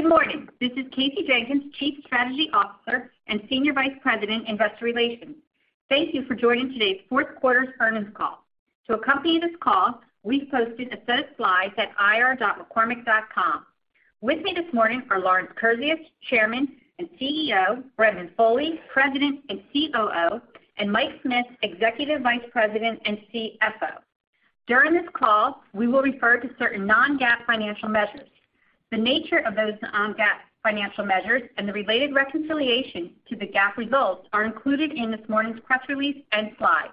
Good morning. This is Kasey Jenkins, Chief Strategy Officer and Senior Vice President, Investor Relations. Thank you for joining today's fourth quarter earnings call. To accompany this call, we've posted a set of slides at ir.mccormick.com. With me this morning are Lawrence Kurzius, Chairman and CEO, Brendan Foley, President and COO, Mike Smith, Executive Vice President and CFO. During this call, we will refer to certain non-GAAP financial measures. The nature of those non-GAAP financial measures and the related reconciliation to the GAAP results are included in this morning's press release and slides.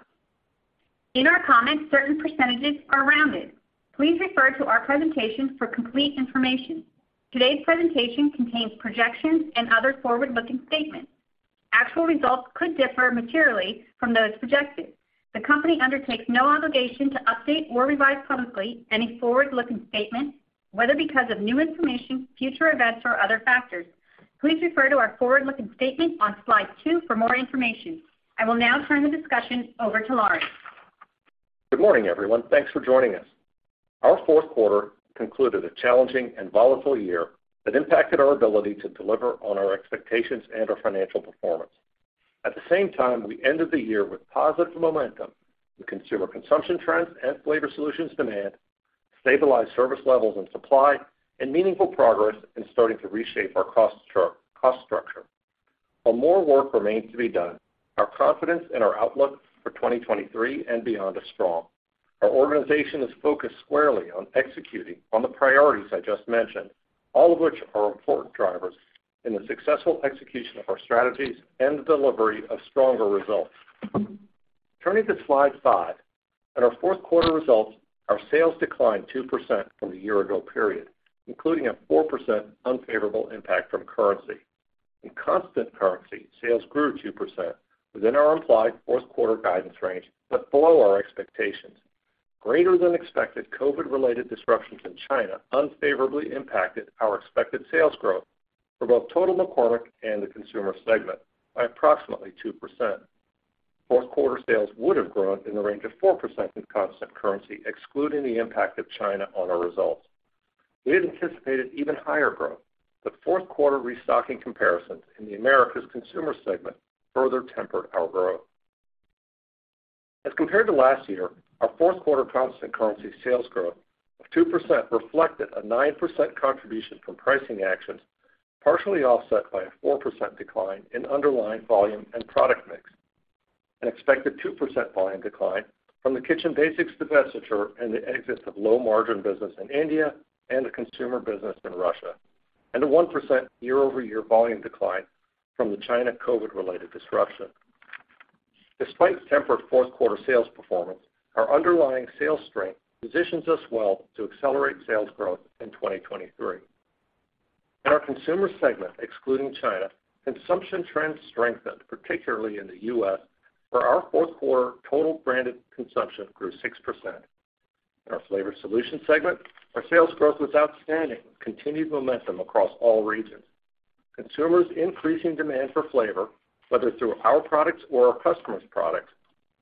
In our comments, certain percentages are rounded. Please refer to our presentations for complete information. Today's presentation contains projections and other forward-looking statements. Actual results could differ materially from those projected. The company undertakes no obligation to update or revise publicly any forward-looking statement, whether because of new information, future events, or other factors. Please refer to our forward-looking statement on slide two for more information. I will now turn the discussion over to Lawrence. Good morning, everyone. Thanks for joining us. Our fourth quarter concluded a challenging and volatile year that impacted our ability to deliver on our expectations and our financial performance. At the same time, we ended the year with positive momentum in consumer consumption trends and Flavor Solutions demand, stabilized service levels and supply, and meaningful progress in starting to reshape our cost structure. While more work remains to be done, our confidence in our outlook for 2023 and beyond is strong. Our organization is focused squarely on executing on the priorities I just mentioned, all of which are important drivers in the successful execution of our strategies and the delivery of stronger results. Turning to slide five. In our fourth quarter results, our sales declined 2% from the year ago period, including a 4% unfavorable impact from currency. In constant currency, sales grew 2% within our implied fourth quarter guidance range, but below our expectations. Greater than expected COVID-related disruptions in China unfavorably impacted our expected sales growth for both total McCormick and the consumer segment by approximately 2%. Fourth quarter sales would have grown in the range of 4% in constant currency, excluding the impact of China on our results. We had anticipated even higher growth, but fourth quarter restocking comparisons in the Americas consumer segment further tempered our growth. As compared to last year, our fourth quarter constant currency sales growth of 2% reflected a 9% contribution from pricing actions, partially offset by a 4% decline in underlying volume and product mix, an expected 2% volume decline from the Kitchen Basics divestiture and the exit of low margin business in India and the consumer business in Russia, and a 1% year-over-year volume decline from the China COVID-related disruption. Despite tempered fourth quarter sales performance, our underlying sales strength positions us well to accelerate sales growth in 2023. In our consumer segment, excluding China, consumption trends strengthened, particularly in the U.S., where our fourth quarter total branded consumption grew 6%. In our Flavor Solution segment, our sales growth was outstanding, with continued momentum across all regions. Consumers' increasing demand for flavor, whether through our products or our customers' products,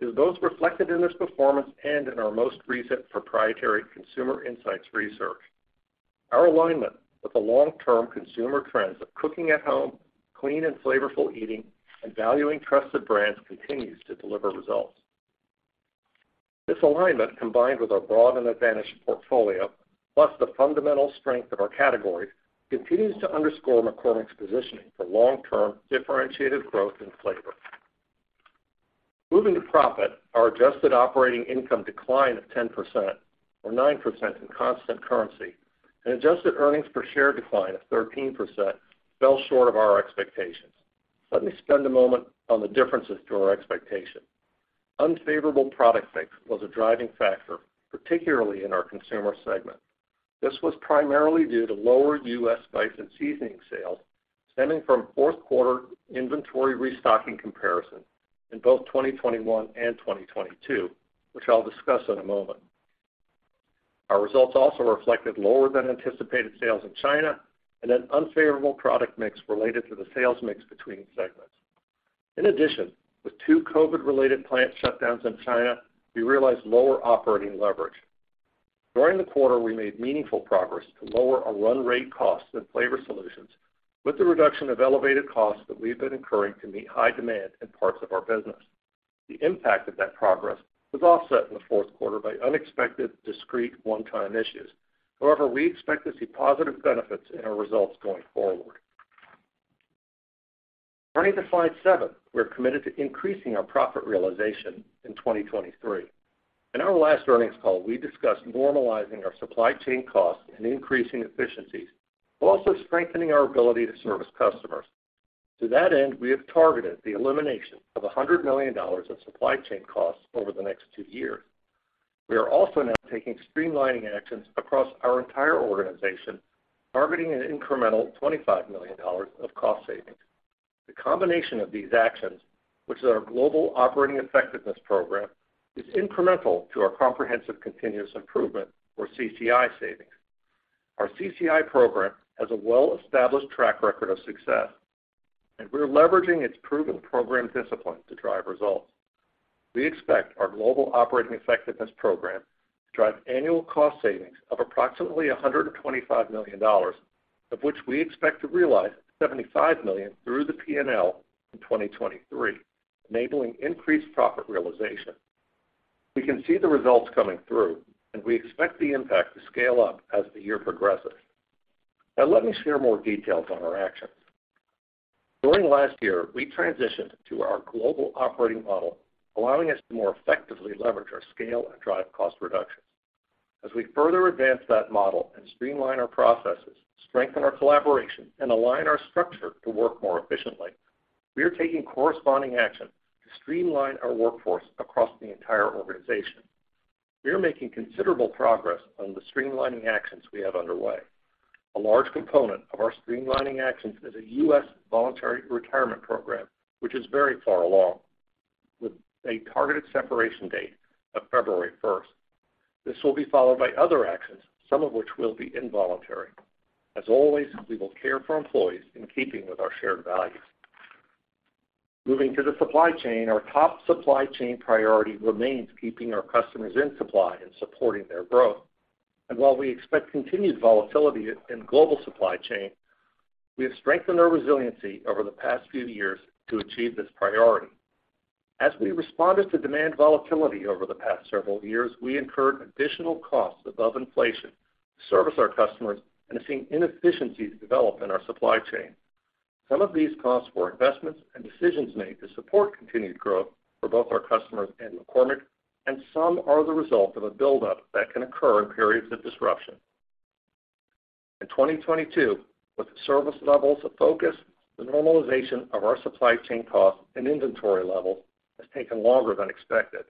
is both reflected in this performance and in our most recent proprietary consumer insights research. Our alignment with the long-term consumer trends of cooking at home, clean and flavorful eating, and valuing trusted brands continues to deliver results. This alignment, combined with our broad and advantaged portfolio, plus the fundamental strength of our categories, continues to underscore McCormick's positioning for long-term differentiated growth in flavor. Moving to profit, our adjusted operating income declined at 10% or 9% in constant currency, and adjusted earnings per share decline of 13% fell short of our expectations. Let me spend a moment on the differences to our expectation. Unfavorable product mix was a driving factor, particularly in our consumer segment. This was primarily due to lower U.S. spice and seasoning sales stemming from fourth quarter inventory restocking comparison in both 2021 and 2022, which I'll discuss in a moment. Our results also reflected lower than anticipated sales in China and an unfavorable product mix related to the sales mix between segments. In addition, with two COVID-related plant shutdowns in China, we realized lower operating leverage. During the quarter, we made meaningful progress to lower our run rate costs in Flavor Solutions with the reduction of elevated costs that we've been incurring to meet high demand in parts of our business. The impact of that progress was offset in the fourth quarter by unexpected, discrete one-time issues. However, we expect to see positive benefits in our results going forward. Turning to slide seven, we're committed to increasing our profit realization in 2023. In our last earnings call, we discussed normalizing our supply chain costs and increasing efficiencies, while also strengthening our ability to service customers. To that end, we have targeted the elimination of $100 million of supply chain costs over the next two years. We are also now taking streamlining actions across our entire organization, targeting an incremental $25 million of cost savings. The combination of these actions, which is our Global Operating Effectiveness Program, is incremental to our comprehensive continuous improvement or CCI savings. Our CCI program has a well-established track record of success, and we're leveraging its proven program discipline to drive results. We expect our Global Operating Effectiveness Program to drive annual cost savings of approximately $125 million, of which we expect to realize $75 million through the P&L in 2023, enabling increased profit realization. We can see the results coming through, and we expect the impact to scale up as the year progresses. Now let me share more details on our actions. During last year, we transitioned to our global operating model, allowing us to more effectively leverage our scale and drive cost reductions. As we further advance that model and streamline our processes, strengthen our collaboration, and align our structure to work more efficiently, we are taking corresponding action to streamline our workforce across the entire organization. We are making considerable progress on the streamlining actions we have underway. A large component of our streamlining actions is a U.S. voluntary retirement program, which is very far along, with a targeted separation date of February 1st. This will be followed by other actions, some of which will be involuntary. As always, we will care for employees in keeping with our shared values. Moving to the supply chain, our top supply chain priority remains keeping our customers in supply and supporting their growth. While we expect continued volatility in global supply chain, we have strengthened our resiliency over the past few years to achieve this priority. As we responded to demand volatility over the past several years, we incurred additional costs above inflation to service our customers and have seen inefficiencies develop in our supply chain. Some of these costs were investments and decisions made to support continued growth for both our customers and McCormick, and some are the result of a buildup that can occur in periods of disruption. In 2022, with the service levels of focus, the normalization of our supply chain costs and inventory levels has taken longer than expected.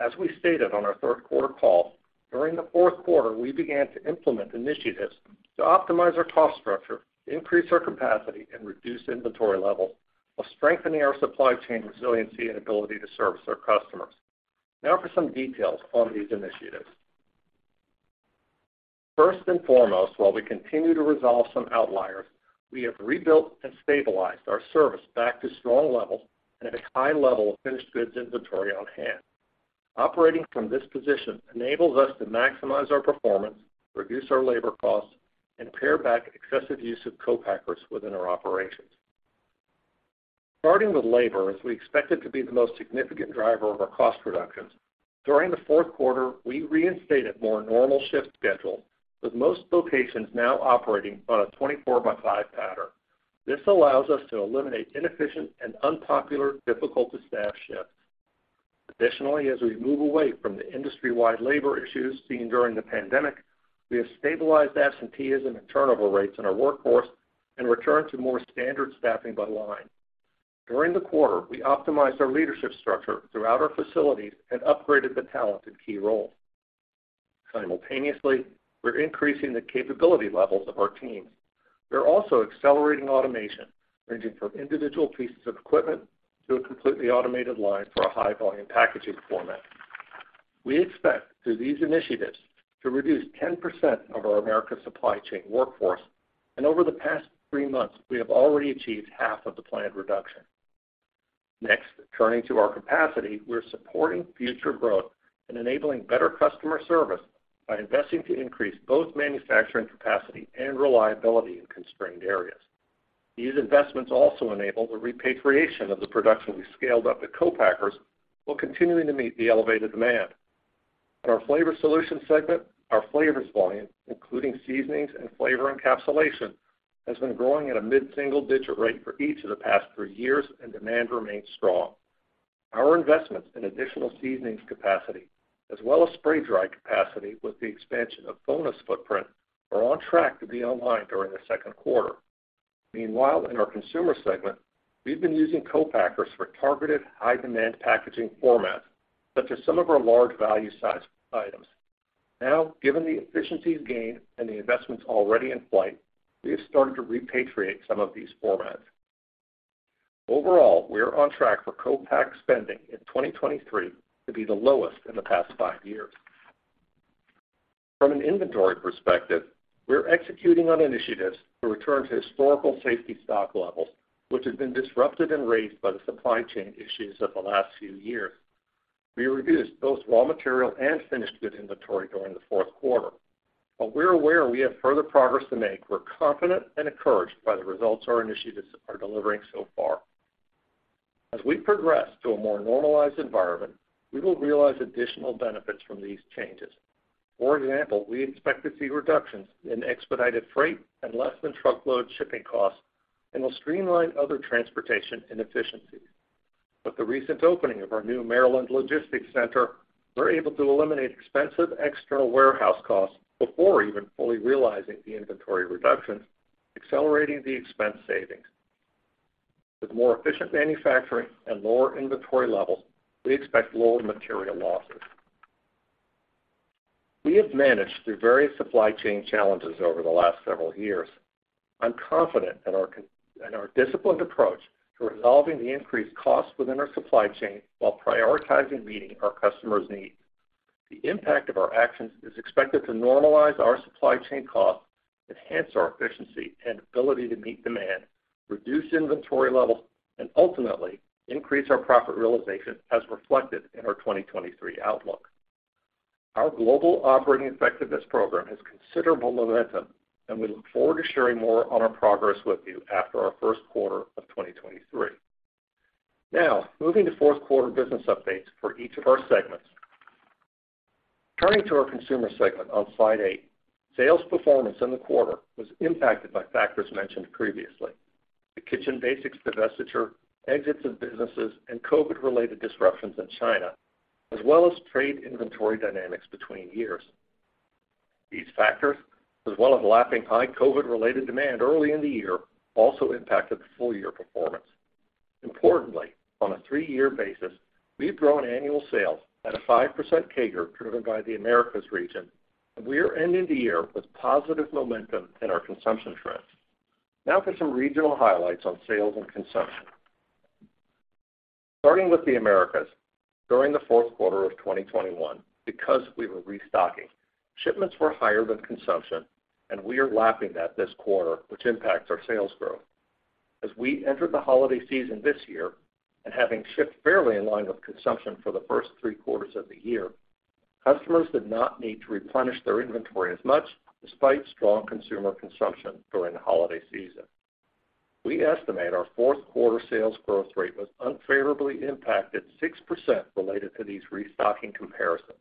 As we stated on our third quarter call, during the fourth quarter, we began to implement initiatives to optimize our cost structure, increase our capacity, and reduce inventory levels while strengthening our supply chain resiliency and ability to service our customers. For some details on these initiatives. First and foremost, while we continue to resolve some outliers, we have rebuilt and stabilized our service back to strong levels and at a high level of finished goods inventory on hand. Operating from this position enables us to maximize our performance, reduce our labor costs, and pare back excessive use of co-packers within our operations. Starting with labor, as we expect it to be the most significant driver of our cost reductions, during the fourth quarter, we reinstated more normal shift schedules, with most locations now operating on a 24 by 5 pattern. This allows us to eliminate inefficient and unpopular, difficult to staff shifts. As we move away from the industry-wide labor issues seen during the pandemic, we have stabilized absenteeism and turnover rates in our workforce and returned to more standard staffing by line. During the quarter, we optimized our leadership structure throughout our facilities and upgraded the talent in key roles. Simultaneously, we're increasing the capability levels of our teams. We're also accelerating automation, ranging from individual pieces of equipment to a completely automated line for a high volume packaging format. We expect, through these initiatives, to reduce 10% of our America supply chain workforce, and over the past three months, we have already achieved half of the planned reduction. Turning to our capacity, we're supporting future growth and enabling better customer service by investing to increase both manufacturing capacity and reliability in constrained areas. These investments also enable the repatriation of the production we scaled up at co-packers while continuing to meet the elevated demand. In our Flavor Solutions segment, our flavors volume, including seasonings and flavor encapsulation, has been growing at a mid-single digit rate for each of the past three years, and demand remains strong. Our investments in additional seasonings capacity, as well as spray dry capacity with the expansion of FONA's footprint, are on track to be online during the second quarter. In our consumer segment, we've been using co-packers for targeted high demand packaging formats, such as some of our large value size items. Given the efficiencies gained and the investments already in flight, we have started to repatriate some of these formats. We're on track for co-pack spending in 2023 to be the lowest in the past five years. From an inventory perspective, we're executing on initiatives to return to historical safety stock levels, which have been disrupted and raised by the supply chain issues of the last few years. We reduced both raw material and finished good inventory during the fourth quarter. While we're aware we have further progress to make, we're confident and encouraged by the results our initiatives are delivering so far. As we progress to a more normalized environment, we will realize additional benefits from these changes. For example, we expect to see reductions in expedited freight and less than truckload shipping costs and will streamline other transportation inefficiencies. With the recent opening of our new Maryland logistics center, we're able to eliminate expensive external warehouse costs before even fully realizing the inventory reductions, accelerating the expense savings. With more efficient manufacturing and lower inventory levels, we expect lower material losses. We have managed through various supply chain challenges over the last several years. I'm confident in our disciplined approach to resolving the increased costs within our supply chain while prioritizing meeting our customers' needs. The impact of our actions is expected to normalize our supply chain costs, enhance our efficiency and ability to meet demand, reduce inventory levels, and ultimately increase our profit realization as reflected in our 2023 outlook. Our Global Operating Effectiveness Program has considerable momentum, and we look forward to sharing more on our progress with you after our first quarter of 2023. Moving to fourth quarter business updates for each of our segments. Turning to our consumer segment on slide eight, sales performance in the quarter was impacted by factors mentioned previously. The Kitchen Basics divestiture, exits of businesses, and COVID-related disruptions in China, as well as trade inventory dynamics between years. These factors, as well as lapping high COVID-related demand early in the year, also impacted the full-year performance. Importantly, on a three-year basis, we've grown annual sales at a 5% CAGR driven by the Americas region, and we are ending the year with positive momentum in our consumption trends. For some regional highlights on sales and consumption. Starting with the Americas, during the fourth quarter of 2021, because we were restocking, shipments were higher than consumption, and we are lapping that this quarter, which impacts our sales growth. As we entered the holiday season this year, and having shipped fairly in line with consumption for the first three quarters of the year, customers did not need to replenish their inventory as much despite strong consumer consumption during the holiday season. We estimate our fourth quarter sales growth rate was unfavorably impacted 6% related to these restocking comparisons.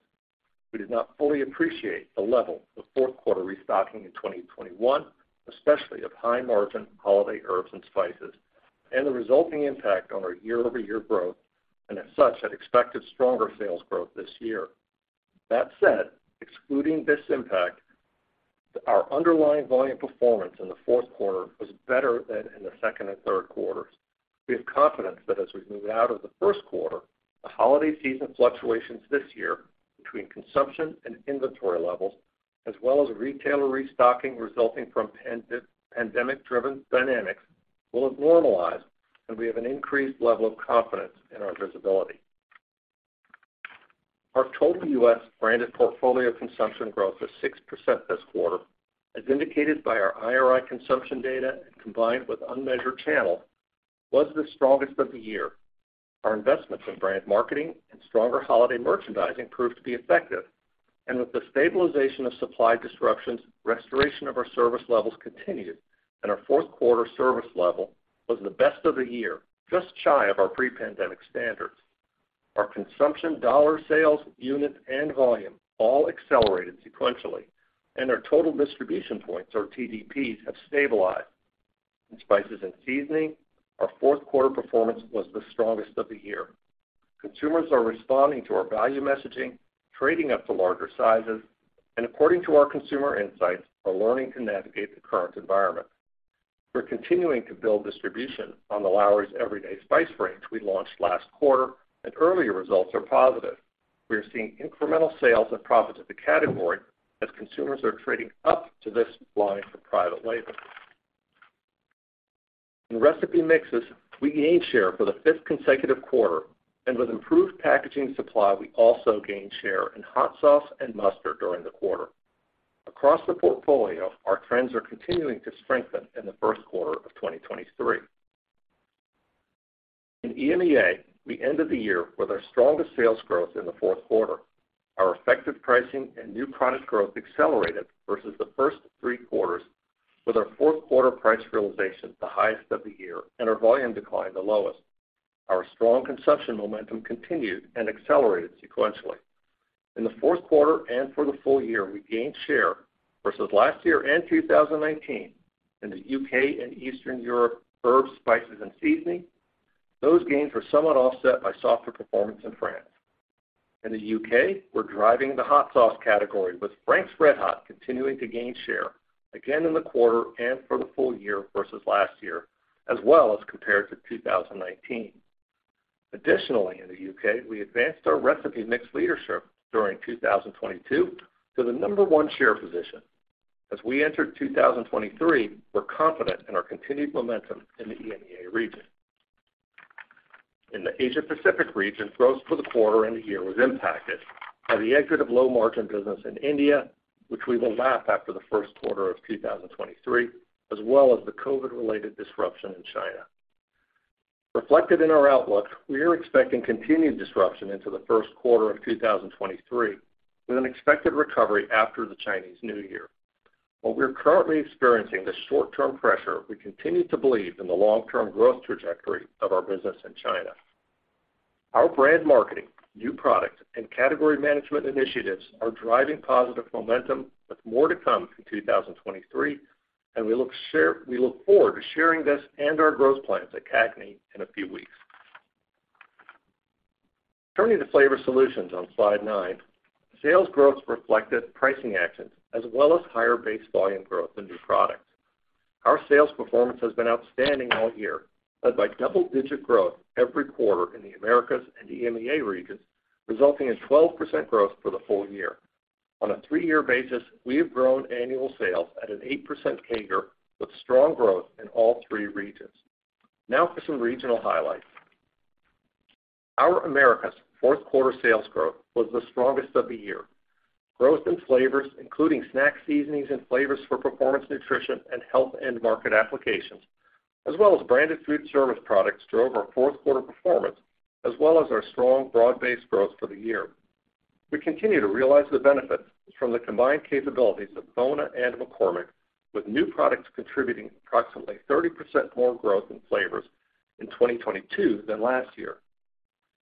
We did not fully appreciate the level of fourth quarter restocking in 2021, especially of high-margin holiday herbs and spices, and the resulting impact on our year-over-year growth, and as such, had expected stronger sales growth this year. That said, excluding this impact, our underlying volume performance in the fourth quarter was better than in the second and third quarters. We have confidence that as we move out of the first quarter, the holiday season fluctuations this year between consumption and inventory levels, as well as retailer restocking resulting from pandemic-driven dynamics, will have normalized and we have an increased level of confidence in our visibility. Our total U.S. branded portfolio consumption growth of 6% this quarter, as indicated by our IRI consumption data and combined with unmeasured channel, was the strongest of the year. Our investments in brand marketing and stronger holiday merchandising proved to be effective. With the stabilization of supply disruptions, restoration of our service levels continued, and our fourth quarter service level was the best of the year, just shy of our pre-pandemic standards. Our consumption dollar sales, unit, and volume all accelerated sequentially, and our total distribution points, or TDPs, have stabilized. In spices and seasoning, our fourth quarter performance was the strongest of the year. Consumers are responding to our value messaging, trading up to larger sizes, and according to our consumer insights, are learning to navigate the current environment. We're continuing to build distribution on the Lawry's Everyday Spice range we launched last quarter. Earlier results are positive. We are seeing incremental sales and profit of the category as consumers are trading up to this line from private label. In recipe mixes, we gained share for the fifth consecutive quarter. With improved packaging supply, we also gained share in hot sauce and mustard during the quarter. Across the portfolio, our trends are continuing to strengthen in the first quarter of 2023. In EMEA, we ended the year with our strongest sales growth in the fourth quarter. Our effective pricing and new product growth accelerated versus the first three quarters, with our fourth quarter price realization the highest of the year and our volume decline the lowest. Our strong consumption momentum continued and accelerated sequentially. In the fourth quarter and for the full-year, we gained share versus last year and 2019 in the U.K. and Eastern Europe herbs, spices, and seasoning. Those gains were somewhat offset by softer performance in France. In the U.K., we're driving the hot sauce category, with Frank's RedHot continuing to gain share again in the quarter and for the full-year versus last year, as well as compared to 2019. Additionally, in the U.K., we advanced our recipe mix leadership during 2022 to the number one share position. As we enter 2023, we're confident in our continued momentum in the EMEA region. In the Asia Pacific region, growth for the quarter and the year was impacted by the exit of low-margin business in India, which we will lap after the first quarter of 2023, as well as the COVID-related disruption in China. Reflected in our outlook, we are expecting continued disruption into the first quarter of 2023, with an expected recovery after the Chinese New Year. While we are currently experiencing this short-term pressure, we continue to believe in the long-term growth trajectory of our business in China. Our brand marketing, new product, and category management initiatives are driving positive momentum, with more to come in 2023. We look forward to sharing this and our growth plans at CAGNY in a few weeks. Turning to Flavor Solutions on slide nine, sales growth reflected pricing actions as well as higher base volume growth and new products. Our sales performance has been outstanding all year, led by double-digit growth every quarter in the Americas and EMEA regions, resulting in 12% growth for the full-year. On a three-year basis, we have grown annual sales at an 8% CAGR, with strong growth in all three regions. Now for some regional highlights. Our Americas' fourth quarter sales growth was the strongest of the year. Growth in flavors, including snack seasonings and flavors for performance nutrition and health end market applications, as well as branded food service products, drove our fourth quarter performance, as well as our strong broad-based growth for the year. We continue to realize the benefits from the combined capabilities of FONA and McCormick, with new products contributing approximately 30% more growth in flavors in 2022 than last year.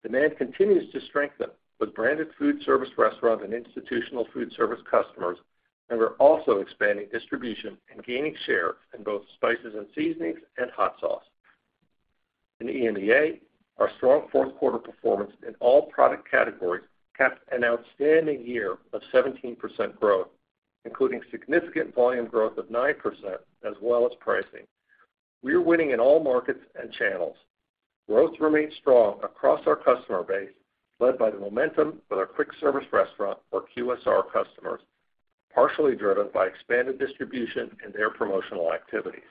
Demand continues to strengthen with branded food service restaurants and institutional food service customers, and we're also expanding distribution and gaining share in both spices and seasonings and hot sauce. In EMEA, our strong fourth quarter performance in all product categories capped an outstanding year of 17% growth, including significant volume growth of 9% as well as pricing. We are winning in all markets and channels. Growth remains strong across our customer base, led by the momentum with our quick service restaurant, or QSR, customers, partially driven by expanded distribution and their promotional activities.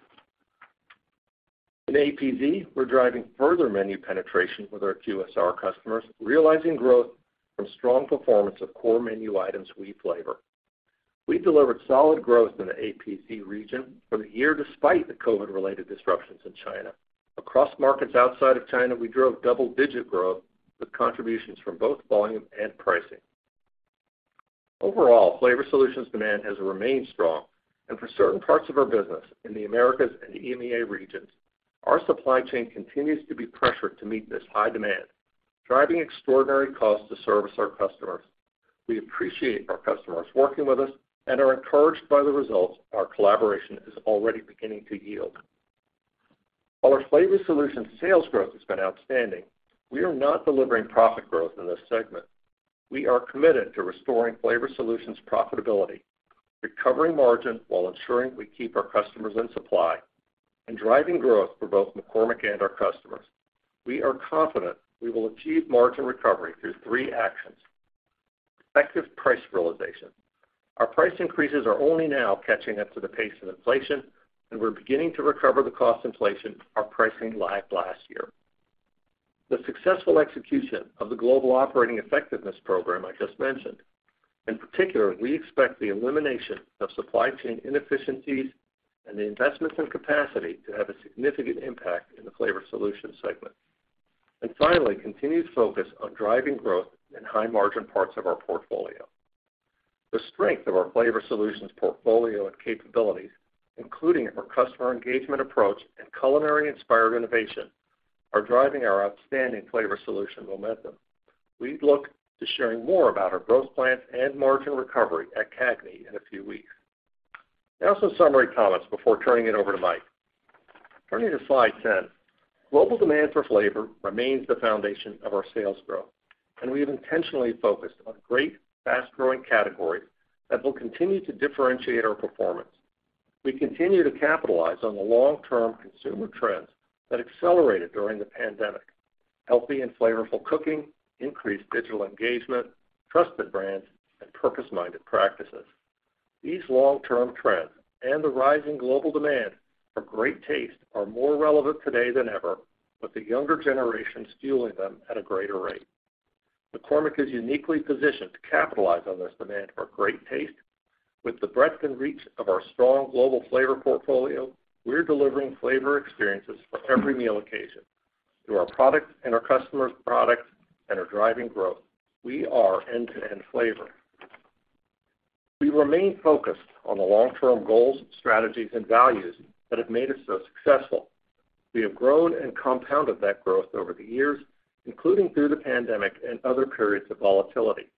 In APZ, we're driving further menu penetration with our QSR customers, realizing growth from strong performance of core menu items we flavor. We delivered solid growth in the APZ region for the year despite the COVID-related disruptions in China. Across markets outside of China, we drove double-digit growth with contributions from both volume and pricing. Overall, Flavor Solutions demand has remained strong. For certain parts of our business in the Americas and EMEA regions, our supply chain continues to be pressured to meet this high demand, driving extraordinary costs to service our customers. We appreciate our customers working with us and are encouraged by the results our collaboration is already beginning to yield. While our Flavor Solutions sales growth has been outstanding, we are not delivering profit growth in this segment. We are committed to restoring Flavor Solutions profitability, recovering margin while ensuring we keep our customers in supply, and driving growth for both McCormick and our customers. We are confident we will achieve margin recovery through three actions. Effective price realization. Our price increases are only now catching up to the pace of inflation, and we're beginning to recover the cost inflation our pricing lagged last year. The successful execution of the Global Operating Effectiveness Program I just mentioned. In particular, we expect the elimination of supply chain inefficiencies and the investments in capacity to have a significant impact in the Flavor Solutions segment. Finally, continued focus on driving growth in high-margin parts of our portfolio. The strength of our Flavor Solutions portfolio and capabilities, including our customer engagement approach and culinary-inspired innovation, are driving our outstanding Flavor Solutions momentum. We look to sharing more about our growth plans and margin recovery at CAGNY in a few weeks. Some summary comments before turning it over to Mike. Turning to slide 10. Global demand for flavor remains the foundation of our sales growth, and we have intentionally focused on great, fast-growing categories that will continue to differentiate our performance. We continue to capitalize on the long-term consumer trends that accelerated during the pandemic, healthy and flavorful cooking, increased digital engagement, trusted brands, and purpose-minded practices. These long-term trends and the rising global demand for great taste are more relevant today than ever, with the younger generation fueling them at a greater rate. McCormick is uniquely positioned to capitalize on this demand for great taste. With the breadth and reach of our strong global flavor portfolio, we're delivering flavor experiences for every meal occasion through our products and our customers' products that are driving growth. We are end-to-end flavor. We remain focused on the long-term goals, strategies, and values that have made us so successful. We have grown and compounded that growth over the years, including through the pandemic and other periods of volatility.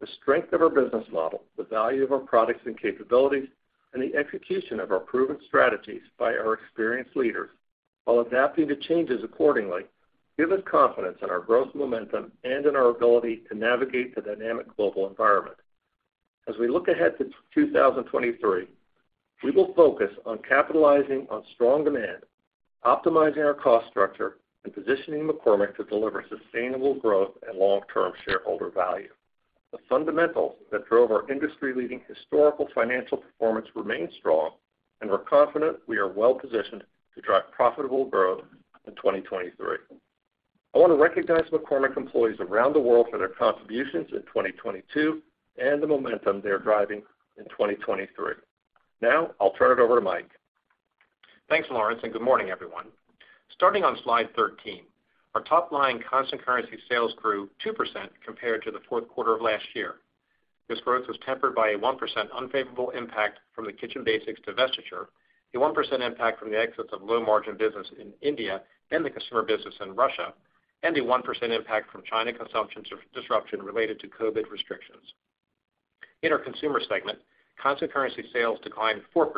The strength of our business model, the value of our products and capabilities, and the execution of our proven strategies by our experienced leaders while adapting to changes accordingly, give us confidence in our growth momentum and in our ability to navigate the dynamic global environment. As we look ahead to 2023, we will focus on capitalizing on strong demand, optimizing our cost structure, and positioning McCormick to deliver sustainable growth and long-term shareholder value. The fundamentals that drove our industry-leading historical financial performance remain strong, and we're confident we are well positioned to drive profitable growth in 2023. I want to recognize McCormick employees around the world for their contributions in 2022 and the momentum they are driving in 2023. Now I'll turn it over to Mike. Thanks, Lawrence, and good morning, everyone. Starting on slide 13, our top line constant currency sales grew 2% compared to the fourth quarter of last year. This growth was tempered by a 1% unfavorable impact from the Kitchen Basics divestiture, a 1% impact from the exits of low-margin business in India and the consumer business in Russia, and a 1% impact from China consumption disruption related to COVID restrictions. In our consumer segment, constant currency sales declined 4%,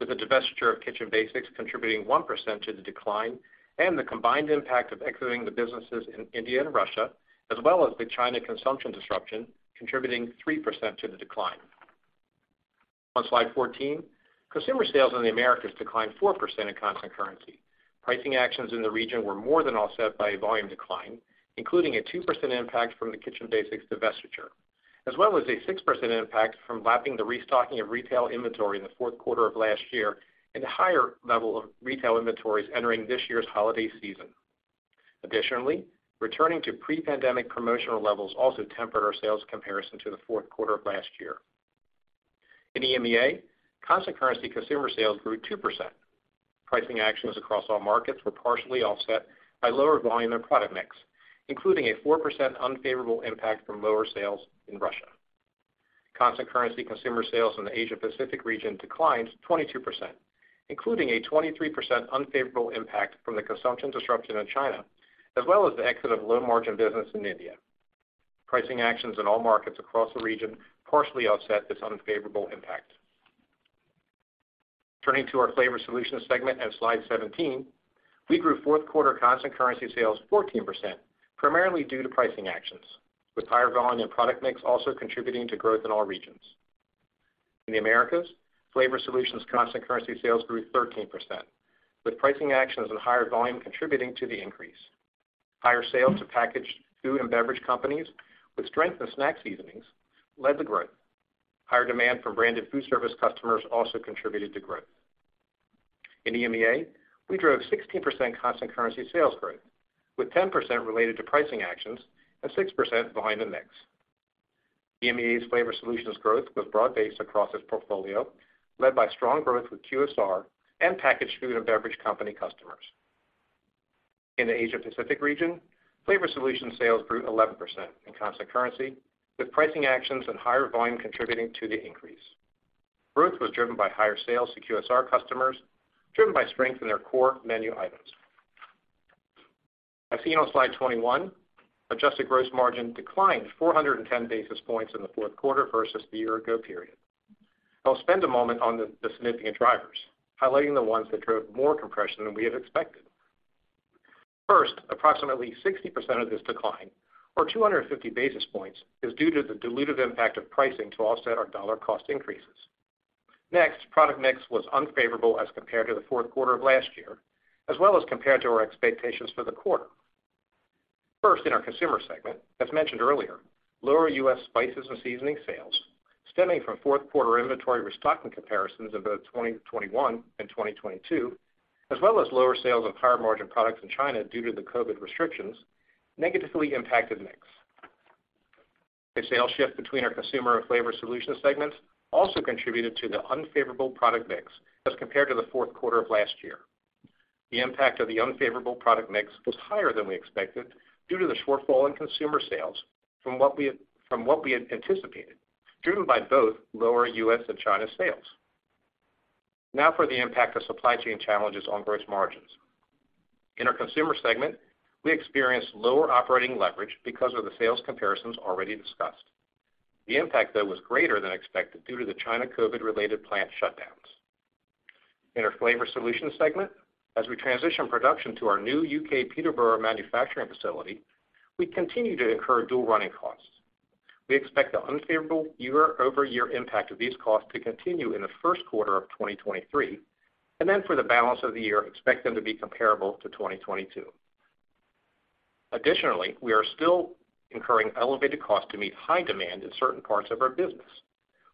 with the divestiture of Kitchen Basics contributing 1% to the decline and the combined impact of exiting the businesses in India and Russia, as well as the China consumption disruption contributing 3% to the decline. On slide 14, consumer sales in the Americas declined 4% in constant currency. Pricing actions in the region were more than offset by a volume decline, including a 2% impact from the Kitchen Basics divestiture. As well as a 6% impact from lapping the restocking of retail inventory in the fourth quarter of last year and a higher level of retail inventories entering this year's holiday season. Additionally, returning to pre-pandemic promotional levels also tempered our sales comparison to the fourth quarter of last year. In EMEA, constant currency consumer sales grew 2%. Pricing actions across all markets were partially offset by lower volume and product mix, including a 4% unfavorable impact from lower sales in Russia. Constant currency consumer sales in the Asia-Pacific Zone declined 22%, including a 23% unfavorable impact from the consumption disruption in China, as well as the exit of low-margin business in India. Pricing actions in all markets across the region partially offset this unfavorable impact. Turning to our Flavor Solutions segment on slide 17, we grew fourth quarter constant currency sales 14%, primarily due to pricing actions, with higher volume and product mix also contributing to growth in all regions. In the Americas, Flavor Solutions constant currency sales grew 13%, with pricing actions and higher volume contributing to the increase. Higher sales to packaged food and beverage companies with strength in snack seasonings led the growth. Higher demand from branded food service customers also contributed to growth. In EMEA, we drove 16% constant currency sales growth, with 10% related to pricing actions and 6% volume and mix. EMEA's Flavor Solutions growth was broad-based across its portfolio, led by strong growth with QSR and packaged food and beverage company customers. In the Asia-Pacific region, Flavor Solutions sales grew 11% in constant currency, with pricing actions and higher volume contributing to the increase. Growth was driven by higher sales to QSR customers, driven by strength in their core menu items. As seen on slide 21, adjusted gross margin declined 410 basis points in the fourth quarter versus the year ago period. I'll spend a moment on the significant drivers, highlighting the ones that drove more compression than we had expected. First, approximately 60% of this decline, or 250 basis points, is due to the dilutive impact of pricing to offset our dollar cost increases. Next, product mix was unfavorable as compared to the fourth quarter of last year, as well as compared to our expectations for the quarter. First, in our Consumer segment, as mentioned earlier, lower U.S. spices and seasoning sales stemming from fourth quarter inventory restocking comparisons of both 2021 and 2022, as well as lower sales of higher margin products in China due to the COVID restrictions, negatively impacted mix. A sales shift between our Consumer and Flavor Solutions segments also contributed to the unfavorable product mix as compared to the fourth quarter of last year. The impact of the unfavorable product mix was higher than we expected due to the shortfall in consumer sales from what we had anticipated, driven by both lower U.S. and China sales. Now for the impact of supply chain challenges on gross margins. In our Consumer segment, we experienced lower operating leverage because of the sales comparisons already discussed. The impact, though, was greater than expected due to the China COVID-related plant shutdowns. In our Flavor Solutions segment, as we transition production to our new UK Peterborough manufacturing facility, we continue to incur dual running costs. We expect the unfavorable year-over-year impact of these costs to continue in the first quarter of 2023, and then for the balance of the year, expect them to be comparable to 2022. Additionally, we are still incurring elevated costs to meet high demand in certain parts of our business.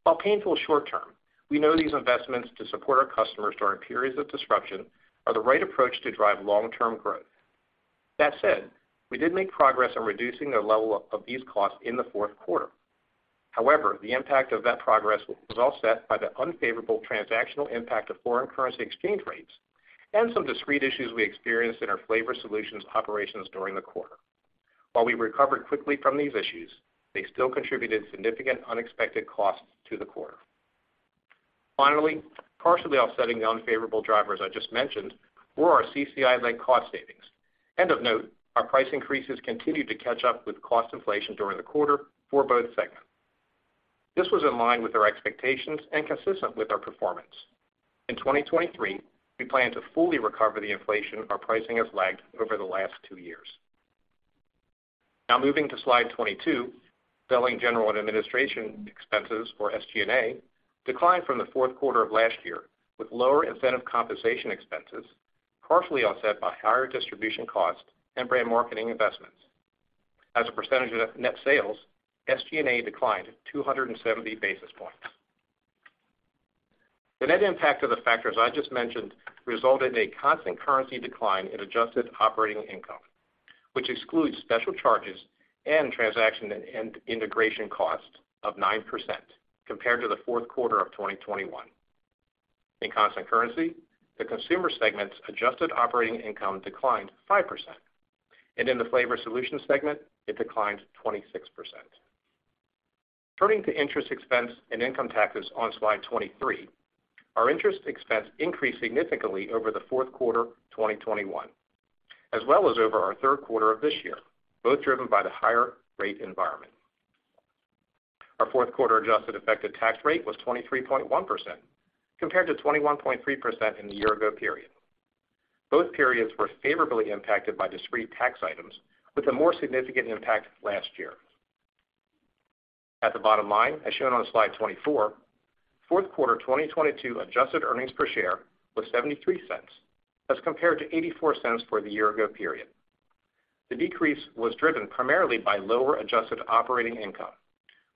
While painful short term, we know these investments to support our customers during periods of disruption are the right approach to drive long-term growth. That said, we did make progress in reducing the level of these costs in the fourth quarter. However, the impact of that progress was offset by the unfavorable transactional impact of foreign currency exchange rates and some discrete issues we experienced in our Flavor Solutions operations during the quarter. While we recovered quickly from these issues, they still contributed significant unexpected costs to the quarter. Partially offsetting the unfavorable drivers I just mentioned were our CCI-led cost savings. Of note, our price increases continued to catch up with cost inflation during the quarter for both segments. This was in line with our expectations and consistent with our performance. In 2023, we plan to fully recover the inflation our pricing has lagged over the last two years. Moving to slide 22, selling, general, and administration expenses for SG&A declined from the fourth quarter of last year with lower incentive compensation expenses, partially offset by higher distribution costs and brand marketing investments. As a percentage of net sales, SG&A declined 270 basis points. The net impact of the factors I just mentioned resulted in a constant currency decline in adjusted operating income, which excludes special charges and transaction and integration costs of 9% compared to the fourth quarter of 2021. In constant currency, the Consumer segment's adjusted operating income declined 5%, and in the Flavor Solutions segment, it declined 26%. Turning to interest expense and income taxes on slide 23, our interest expense increased significantly over the fourth quarter of 2021, as well as over our third quarter of this year, both driven by the higher rate environment. Our fourth quarter adjusted effective tax rate was 23.1%, compared to 21.3% in the year ago period. Both periods were favorably impacted by discrete tax items with a more significant impact last year. At the bottom line, as shown on slide 24, Fourth quarter 2022 adjusted earnings per share was $0.73 as compared to $0.84 for the year ago period. The decrease was driven primarily by lower adjusted operating income,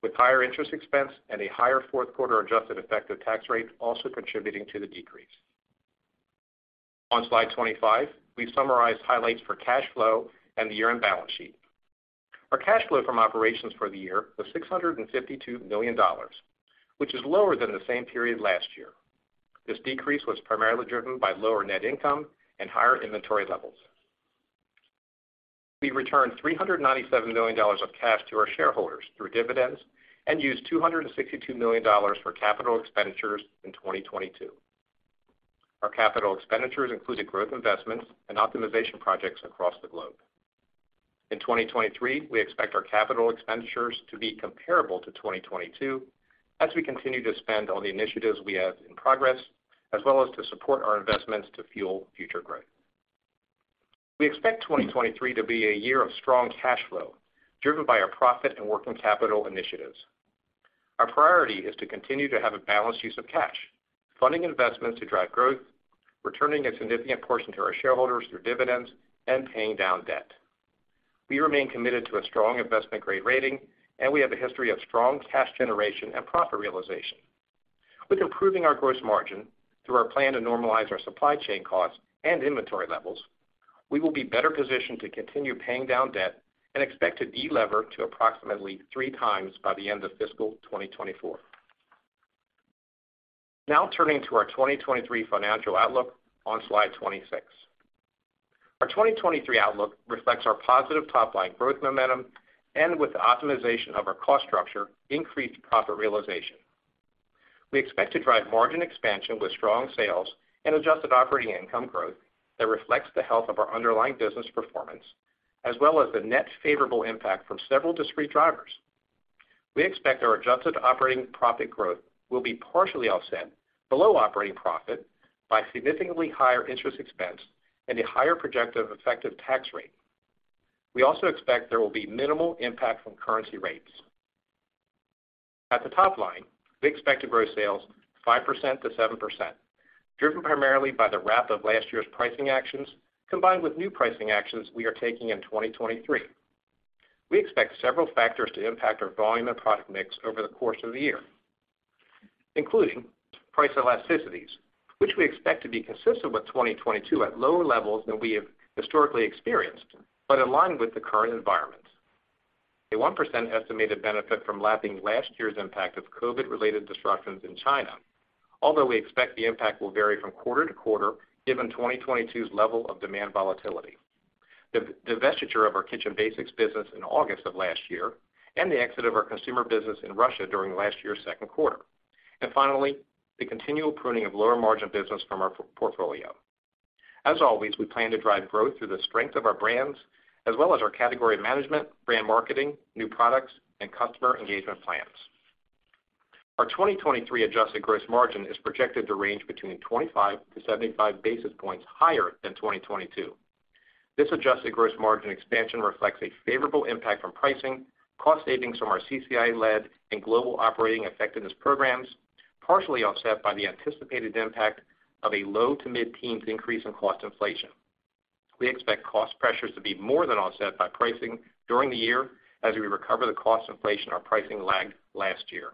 with higher interest expense and a higher fourth quarter adjusted effective tax rate also contributing to the decrease. On slide 25, we've summarized highlights for cash flow and the year-end balance sheet. Our cash flow from operations for the year was $652 million, which is lower than the same period last year. This decrease was primarily driven by lower net income and higher inventory levels. We returned $397 million of cash to our shareholders through dividends and used $262 million for capital expenditures in 2022. Our capital expenditures included growth investments and optimization projects across the globe. In 2023, we expect our capital expenditures to be comparable to 2022 as we continue to spend on the initiatives we have in progress, as well as to support our investments to fuel future growth. We expect 2023 to be a year of strong cash flow driven by our profit and working capital initiatives. Our priority is to continue to have a balanced use of cash, funding investments to drive growth, returning a significant portion to our shareholders through dividends, and paying down debt. We remain committed to a strong investment-grade rating, and we have a history of strong cash generation and profit realization. With improving our gross margin through our plan to normalize our supply chain costs and inventory levels, we will be better positioned to continue paying down debt and expect to delever to approximately 3 times by the end of fiscal 2024. Turning to our 2023 financial outlook on slide 26. Our 2023 outlook reflects our positive top-line growth momentum and with the optimization of our cost structure, increased profit realization. We expect to drive margin expansion with strong sales and adjusted operating income growth that reflects the health of our underlying business performance, as well as the net favorable impact from several discrete drivers. We expect our adjusted operating profit growth will be partially offset below operating profit by significantly higher interest expense and a higher projected effective tax rate. We also expect there will be minimal impact from currency rates. At the top line, we expect to grow sales 5%-7%, driven primarily by the wrap of last year's pricing actions, combined with new pricing actions we are taking in 2023. We expect several factors to impact our volume and product mix over the course of the year, including price elasticities, which we expect to be consistent with 2022 at lower levels than we have historically experienced, but in line with the current environment. A 1% estimated benefit from lapping last year's impact of COVID-related disruptions in China. Although we expect the impact will vary from quarter to quarter, given 2022's level of demand volatility. The divestiture of our Kitchen Basics business in August of last year and the exit of our consumer business in Russia during last year's second quarter. Finally, the continual pruning of lower margin business from our portfolio. As always, we plan to drive growth through the strength of our brands as well as our category management, brand marketing, new products, and customer engagement plans. Our 2023 adjusted gross margin is projected to range between 25 basis points-75 basis points higher than 2022. This adjusted gross margin expansion reflects a favorable impact from pricing, cost savings from our CCI-led and Global Operating Effectiveness Programs, partially offset by the anticipated impact of a low- to mid-teens increase in cost inflation. We expect cost pressures to be more than offset by pricing during the year as we recover the cost inflation our pricing lagged last year.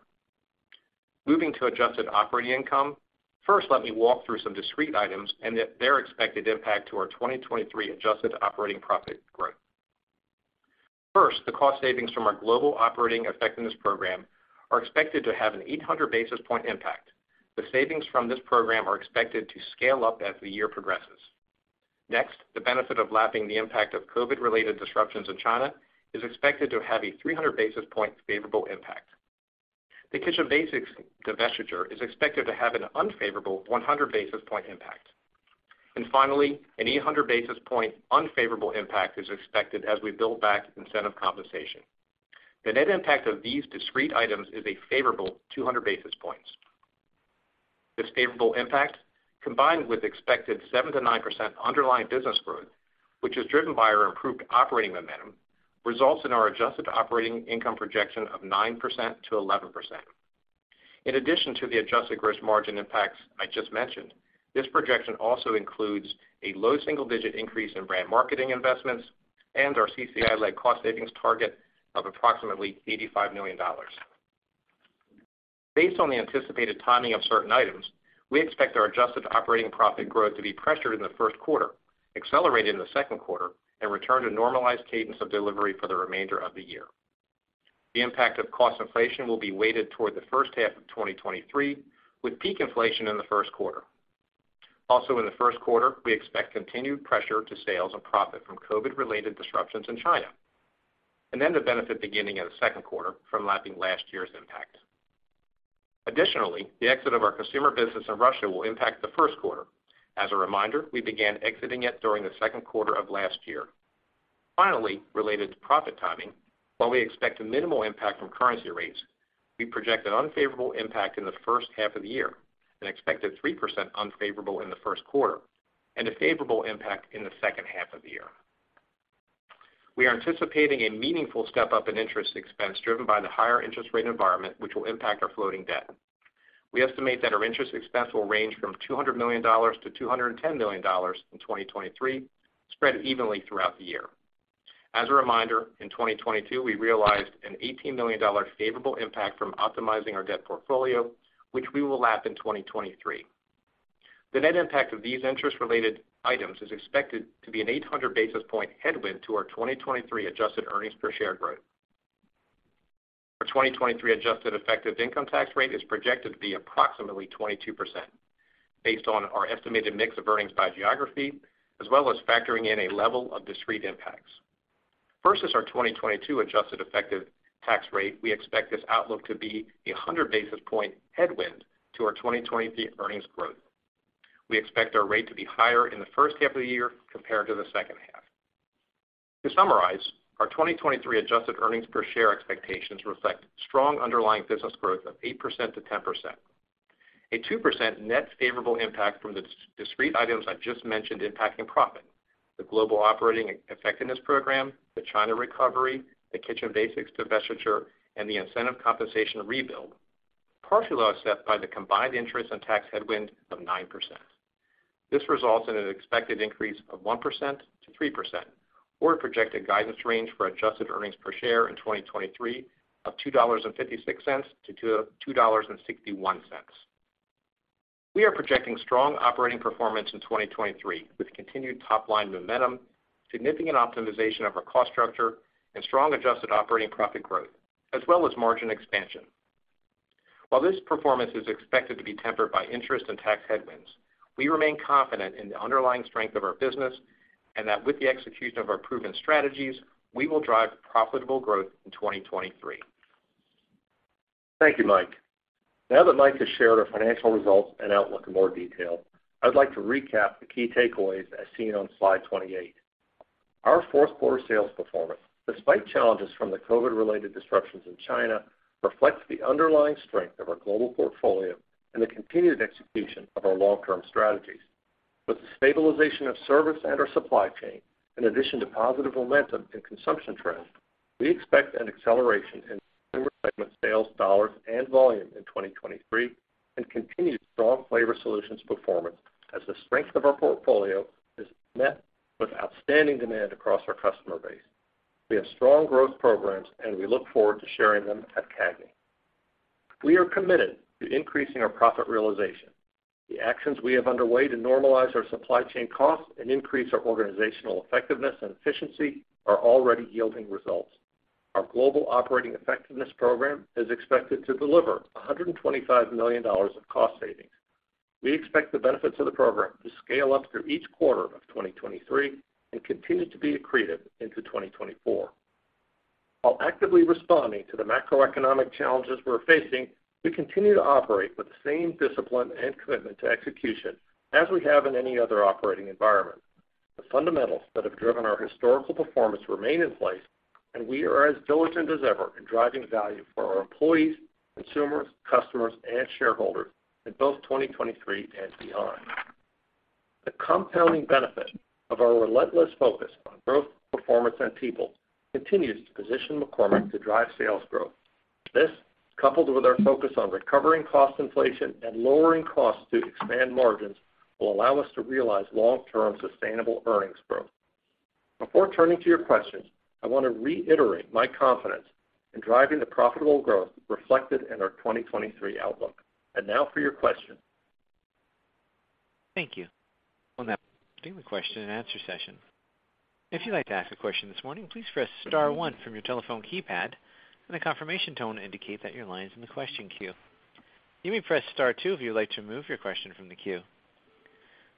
Moving to adjusted operating income, first, let me walk through some discrete items and their expected impact to our 2023 adjusted operating profit growth. The cost savings from our Global Operating Effectiveness Program are expected to have an 800 basis point impact. The savings from this program are expected to scale up as the year progresses. The benefit of lapping the impact of COVID-related disruptions in China is expected to have a 300 basis point favorable impact. The Kitchen Basics divestiture is expected to have an unfavorable 100 basis point impact. Finally, an 800 basis point unfavorable impact is expected as we build back incentive compensation. The net impact of these discrete items is a favorable 200 basis points. This favorable impact, combined with expected 7%-9% underlying business growth, which is driven by our improved operating momentum, results in our adjusted operating income projection of 9%-11%. In addition to the adjusted gross margin impacts I just mentioned, this projection also includes a low single-digit increase in brand marketing investments and our CCI-led cost savings target of approximately $85 million. Based on the anticipated timing of certain items, we expect our adjusted operating profit growth to be pressured in the first quarter, accelerated in the second quarter, and return to normalized cadence of delivery for the remainder of the year. The impact of cost inflation will be weighted toward the first half of 2023, with peak inflation in the first quarter. Also in the first quarter, we expect continued pressure to sales and profit from COVID-related disruptions in China, and then the benefit beginning in the second quarter from lapping last year's impact. Additionally, the exit of our consumer business in Russia will impact the first quarter. As a reminder, we began exiting it during the second quarter of last year. Finally, related to profit timing, while we expect a minimal impact from currency rates, we project an unfavorable impact in the first half of the year, an expected 3% unfavorable in the first quarter, and a favorable impact in the second half of the year. We are anticipating a meaningful step up in interest expense driven by the higher interest rate environment, which will impact our floating debt. We estimate that our interest expense will range from $200 million-$210 million in 2023, spread evenly throughout the year. As a reminder, in 2022, we realized an $18 million favorable impact from optimizing our debt portfolio, which we will lap in 2023. The net impact of these interest related items is expected to be an 800 basis point headwind to our 2023 adjusted earnings per share growth. Our 2023 adjusted effective income tax rate is projected to be approximately 22% based on our estimated mix of earnings by geography, as well as factoring in a level of discrete impacts. Versus our 2022 adjusted effective tax rate, we expect this outlook to be a 100 basis point headwind to our 2023 earnings growth. We expect our rate to be higher in the first half of the year compared to the second half. To summarize, our 2023 adjusted earnings per share expectations reflect strong underlying business growth of 8%-10%. A 2% net favorable impact from the discrete items I just mentioned impacting profit, the Global Operating Effectiveness Program, the China recovery, the Kitchen Basics divestiture, and the incentive compensation rebuild, partially offset by the combined interest and tax headwind of 9%. This results in an expected increase of 1%-3% or a projected guidance range for adjusted earnings per share in 2023 of $2.56-$2.61. We are projecting strong operating performance in 2023, with continued top-line momentum, significant optimization of our cost structure, and strong adjusted operating profit growth, as well as margin expansion. While this performance is expected to be tempered by interest and tax headwinds, we remain confident in the underlying strength of our business and that with the execution of our proven strategies, we will drive profitable growth in 2023. Thank you, Mike. Now that Mike has shared our financial results and outlook in more detail, I'd like to recap the key takeaways as seen on slide 28. Our fourth quarter sales performance, despite challenges from the COVID related disruptions in China, reflects the underlying strength of our global portfolio and the continued execution of our long-term strategies. With the stabilization of service and our supply chain, in addition to positive momentum in consumption trends, we expect an acceleration in consumer segment sales dollars and volume in 2023 and continued strong Flavor Solutions performance as the strength of our portfolio is met with outstanding demand across our customer base. We have strong growth programs, and we look forward to sharing them at CAGNY. We are committed to increasing our profit realization. The actions we have underway to normalize our supply chain costs and increase our organizational effectiveness and efficiency are already yielding results. Our Global Operating Effectiveness Program is expected to deliver $125 million of cost savings. We expect the benefits of the program to scale up through each quarter of 2023 and continue to be accretive into 2024. While actively responding to the macroeconomic challenges we're facing, we continue to operate with the same discipline and commitment to execution as we have in any other operating environment. The fundamentals that have driven our historical performance remain in place, and we are as diligent as ever in driving value for our employees, consumers, customers, and shareholders in both 2023 and beyond. The compounding benefit of our relentless focus on growth, performance, and people continues to position McCormick to drive sales growth. This, coupled with our focus on recovering cost inflation and lowering costs to expand margins, will allow us to realize long-term sustainable earnings growth. Before turning to your questions, I want to reiterate my confidence in driving the profitable growth reflected in our 2023 outlook. Now for your questions. Thank you. We'll now begin the question and answer session. If you'd like to ask a question this morning, please press star 1 from your telephone keypad and the confirmation tone indicate that your line is in the question queue. You may press star two if you would like to remove your question from the queue.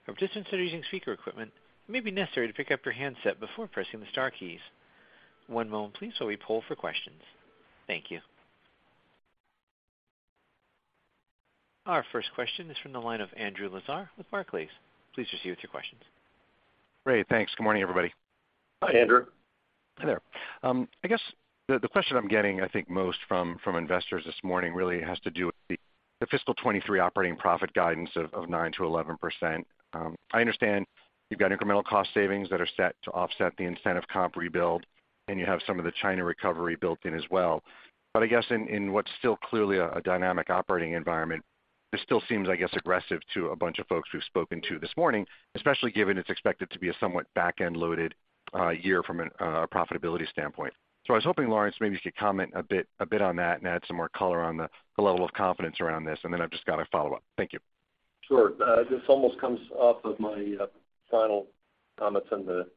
For participants that are using speaker equipment, it may be necessary to pick up your handset before pressing the star keys. One moment please while we poll for questions. Thank you. Our first question is from the line of Andrew Lazar with Barclays. Please proceed with your questions. Ray, thanks. Good morning, everybody. Hi, Andrew. Hi there. I guess the question I'm getting, I think, most from investors this morning really has to do with the fiscal 2023 operating profit guidance of 9%-11%. I understand you've got incremental cost savings that are set to offset the incentive comp rebuild, and you have some of the China recovery built in as well. I guess in what's still clearly a dynamic operating environment, this still seems, I guess, aggressive to a bunch of folks we've spoken to this morning, especially given it's expected to be a somewhat back-end loaded year from an a profitability standpoint. I was hoping, Lawrence, maybe you could comment a bit, a bit on that and add some more color on the level of confidence around this. Then I've just got a follow-up. Thank you. Sure. This almost comes off of my final comments in the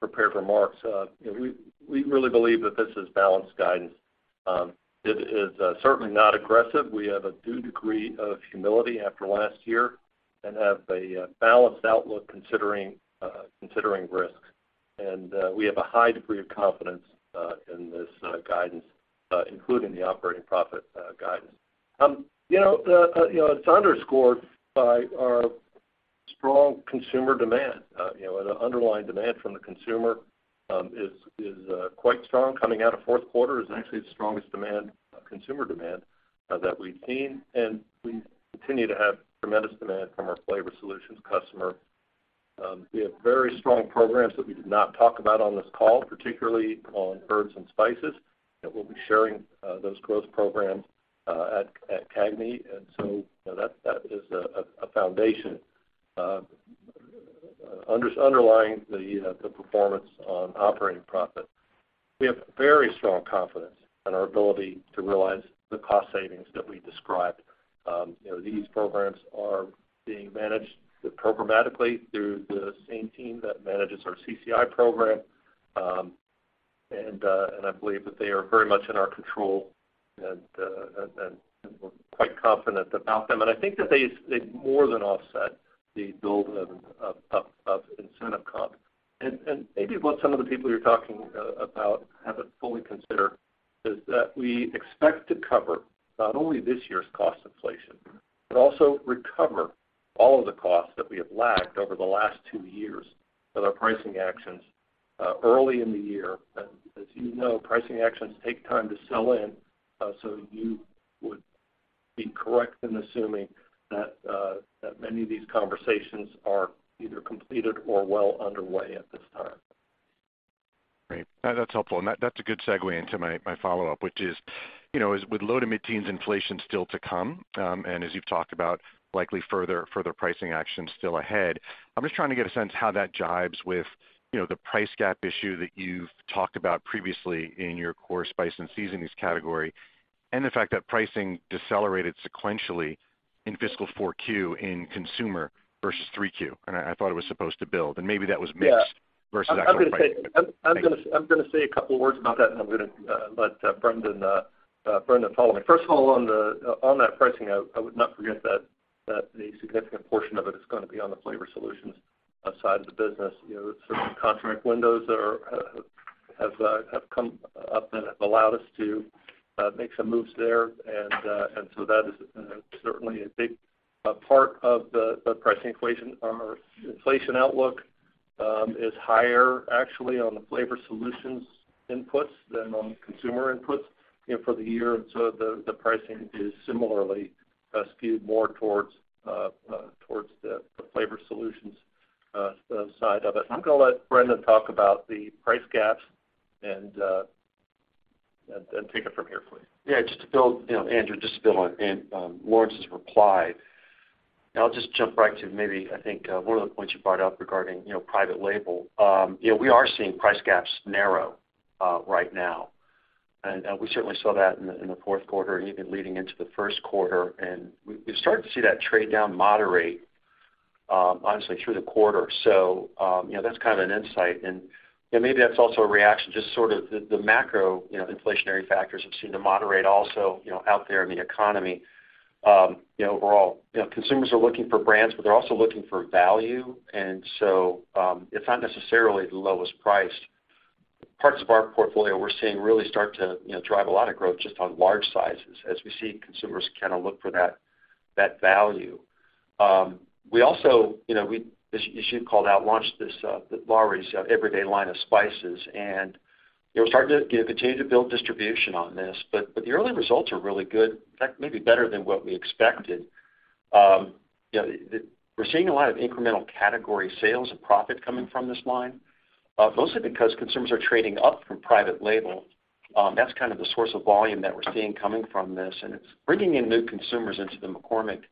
prepared remarks. You know, we really believe that this is balanced guidance. It is certainly not aggressive. We have a due degree of humility after last year and have a balanced outlook considering risks. We have a high degree of confidence in this guidance, including the operating profit guidance. You know, the, you know, it's underscored by our strong consumer demand. You know, and the underlying demand from the consumer is quite strong. Coming out of fourth quarter is actually the strongest demand, consumer demand, that we've seen. We continue to have tremendous demand from our Flavor Solutions customer. We have very strong programs that we did not talk about on this call, particularly on herbs and spices, that we'll be sharing those growth programs at CAGNY. You know, that is a foundation. Underlying the performance on operating profit, we have very strong confidence in our ability to realize the cost savings that we described. You know, these programs are being managed programmatically through the same team that manages our CCI program. I believe that they are very much in our control and we're quite confident about them. I think that they more than offset the build of incentive comp. Maybe what some of the people you're talking about haven't fully considered is that we expect to cover not only this year's cost inflation, but also recover all of the costs that we have lagged over the last two years with our pricing actions early in the year. As you know, pricing actions take time to sell in, so you would be correct in assuming that many of these conversations are either completed or well underway at this time. Great. That's helpful. That's a good segue into my follow-up, which is, you know, with low to mid-teens inflation still to come, and as you've talked about, likely further pricing actions still ahead, I'm just trying to get a sense how that jives with, you know, the price gap issue that you've talked about previously in your core spice and seasonings category, and the fact that pricing decelerated sequentially in fiscal 4Q in consumer versus 3Q. I thought it was supposed to build, and maybe that was mixed. Yeah. Versus. I'm gonna say a couple words about that, I'm gonna let Brendan follow me. First of all, on that pricing out, I would not forget that the significant portion of it is gonna be on the Flavor Solutions side of the business. You know, certain contract windows have come up and have allowed us to make some moves there. That is certainly a big part of the pricing equation. Our inflation outlook is higher actually on the Flavor Solutions inputs than on consumer inputs, you know, for the year. The pricing is similarly skewed more towards the Flavor Solutions side of it. I'm gonna let Brendan talk about the price gaps and take it from here, please. Yeah, just to build, you know, Andrew, just to build on Lawrence's reply. I'll just jump right to maybe I think, one of the points you brought up regarding, you know, private label. You know, we are seeing price gaps narrow right now. We certainly saw that in the fourth quarter and even leading into the first quarter. We started to see that trade down moderate honestly through the quarter. You know, that's kind of an insight. You know, maybe that's also a reaction to just sort of the macro, you know, inflationary factors have seemed to moderate also, you know, out there in the economy, you know, overall. You know, consumers are looking for brands, but they're also looking for value. It's not necessarily the lowest priced. Parts of our portfolio we're seeing really start to, you know, drive a lot of growth just on large sizes as we see consumers kinda look for that value. We also, you know, we, as you called out, launched this, the Lawry's Everyday line of spices, and, you know, we're starting to continue to build distribution on this, but the early results are really good. In fact, maybe better than what we expected. You know, we're seeing a lot of incremental category sales and profit coming from this line, mostly because consumers are trading up from private label. That's kind of the source of volume that we're seeing coming from this, and it's bringing in new consumers into the McCormick,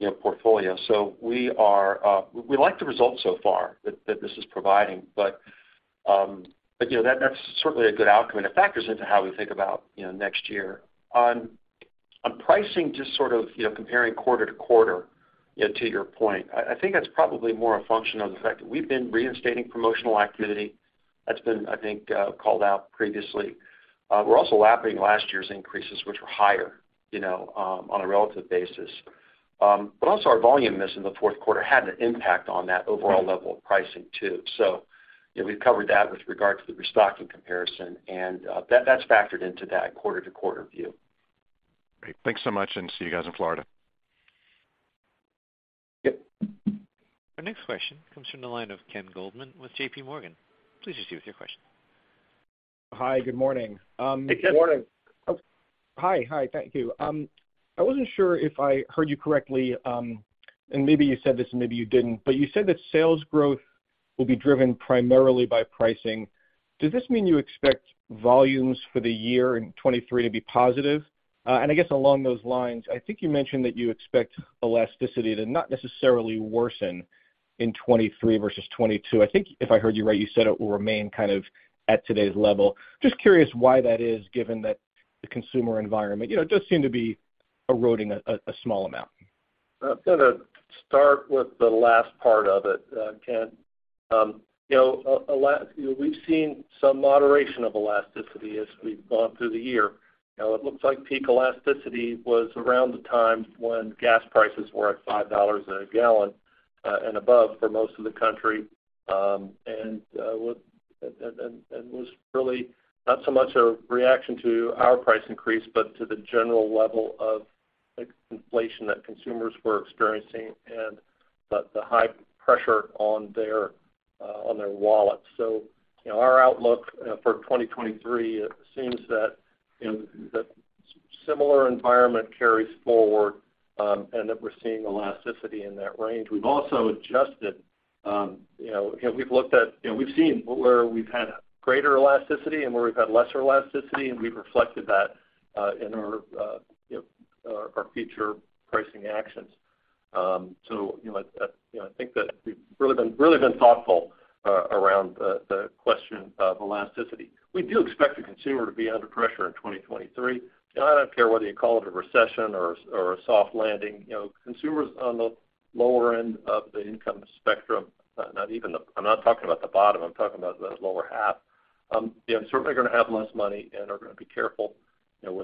you know, portfolio. We are, we like the results so far that this is providing, but, you know, that's certainly a good outcome, and it factors into how we think about, you know, next year. On pricing, just sort of, you know, comparing quarter to quarter, you know, to your point, I think that's probably more a function of the fact that we've been reinstating promotional activity. That's been, I think, called out previously. We're also lapping last year's increases, which were higher, you know, on a relative basis. Also our volume miss in the fourth quarter had an impact on that overall level of pricing too. You know, we've covered that with regard to the restocking comparison and, that's factored into that quarter-to-quarter view. Great. Thanks so much, and see you guys in Florida. Yep. Our next question comes from the line of Ken Goldman with JPMorgan. Please proceed with your question. Hi. Good morning. Hey, Ken. Good morning. Hi. Hi. Thank you. I wasn't sure if I heard you correctly, and maybe you said this and maybe you didn't, but you said that sales growth will be driven primarily by pricing. Does this mean you expect volumes for the year in 2023 to be positive? I guess along those lines, I think you mentioned that you expect elasticity to not necessarily worsen in 2023 versus 2022. I think if I heard you right, you said it will remain kind of at today's level. Just curious why that is, given that the consumer environment, you know, does seem to be eroding a small amount. I'm gonna start with the last part of it, Ken. You know, we've seen some moderation of elasticity as we've gone through the year. You know, it looks like peak elasticity was around the time when gas prices were at $5 a gallon and above for most of the country, and was really not so much a reaction to our price increase, but to the general level of inflation that consumers were experiencing and the high pressure on their wallets. You know, our outlook for 2023, it seems that, you know, that similar environment carries forward, and that we're seeing elasticity in that range. We've also adjusted, you know, we've seen where we've had greater elasticity and where we've had lesser elasticity, and we've reflected that in our, you know, our future pricing actions. You know, like, you know, I think that we've really been thoughtful around the question of elasticity. We do expect the consumer to be under pressure in 2023. You know, I don't care whether you call it a recession or a soft landing. You know, consumers on the lower end of the income spectrum, I'm not talking about the bottom, I'm talking about the lower half, you know, certainly gonna have less money and are gonna be careful, you know,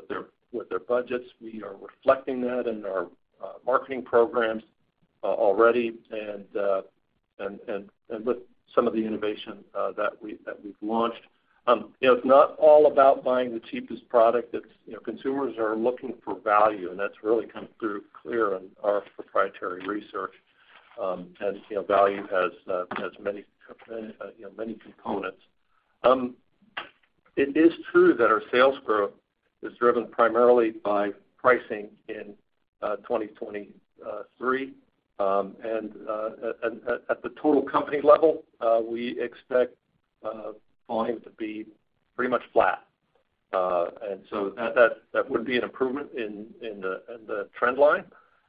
with their budgets. We are reflecting that in our marketing programs already and with some of the innovation that we've launched. You know, it's not all about buying the cheapest product. It's, you know, consumers are looking for value, and that's really come through clear in our proprietary research. You know, value has many components. It is true that our sales growth is driven primarily by pricing in 2023. At the total company level, we expect volume to be pretty much flat. That would be an improvement in the trend line.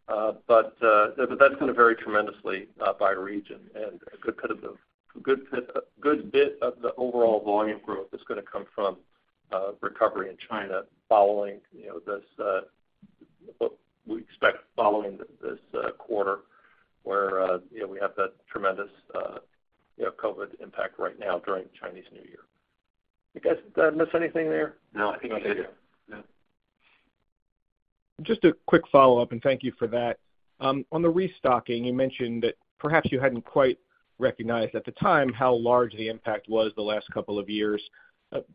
That's gonna vary tremendously by region and a good bit of the overall volume growth is gonna come from recovery in China following, you know, this, well, we expect following this, quarter where, you know, we have that tremendous, you know, COVID impact right now during Chinese New Year. Did I miss anything there? No, I think that's it. Yeah. Just a quick follow-up, and thank you for that. On the restocking, you mentioned that perhaps you hadn't quite recognized at the time how large the impact was the last couple of years.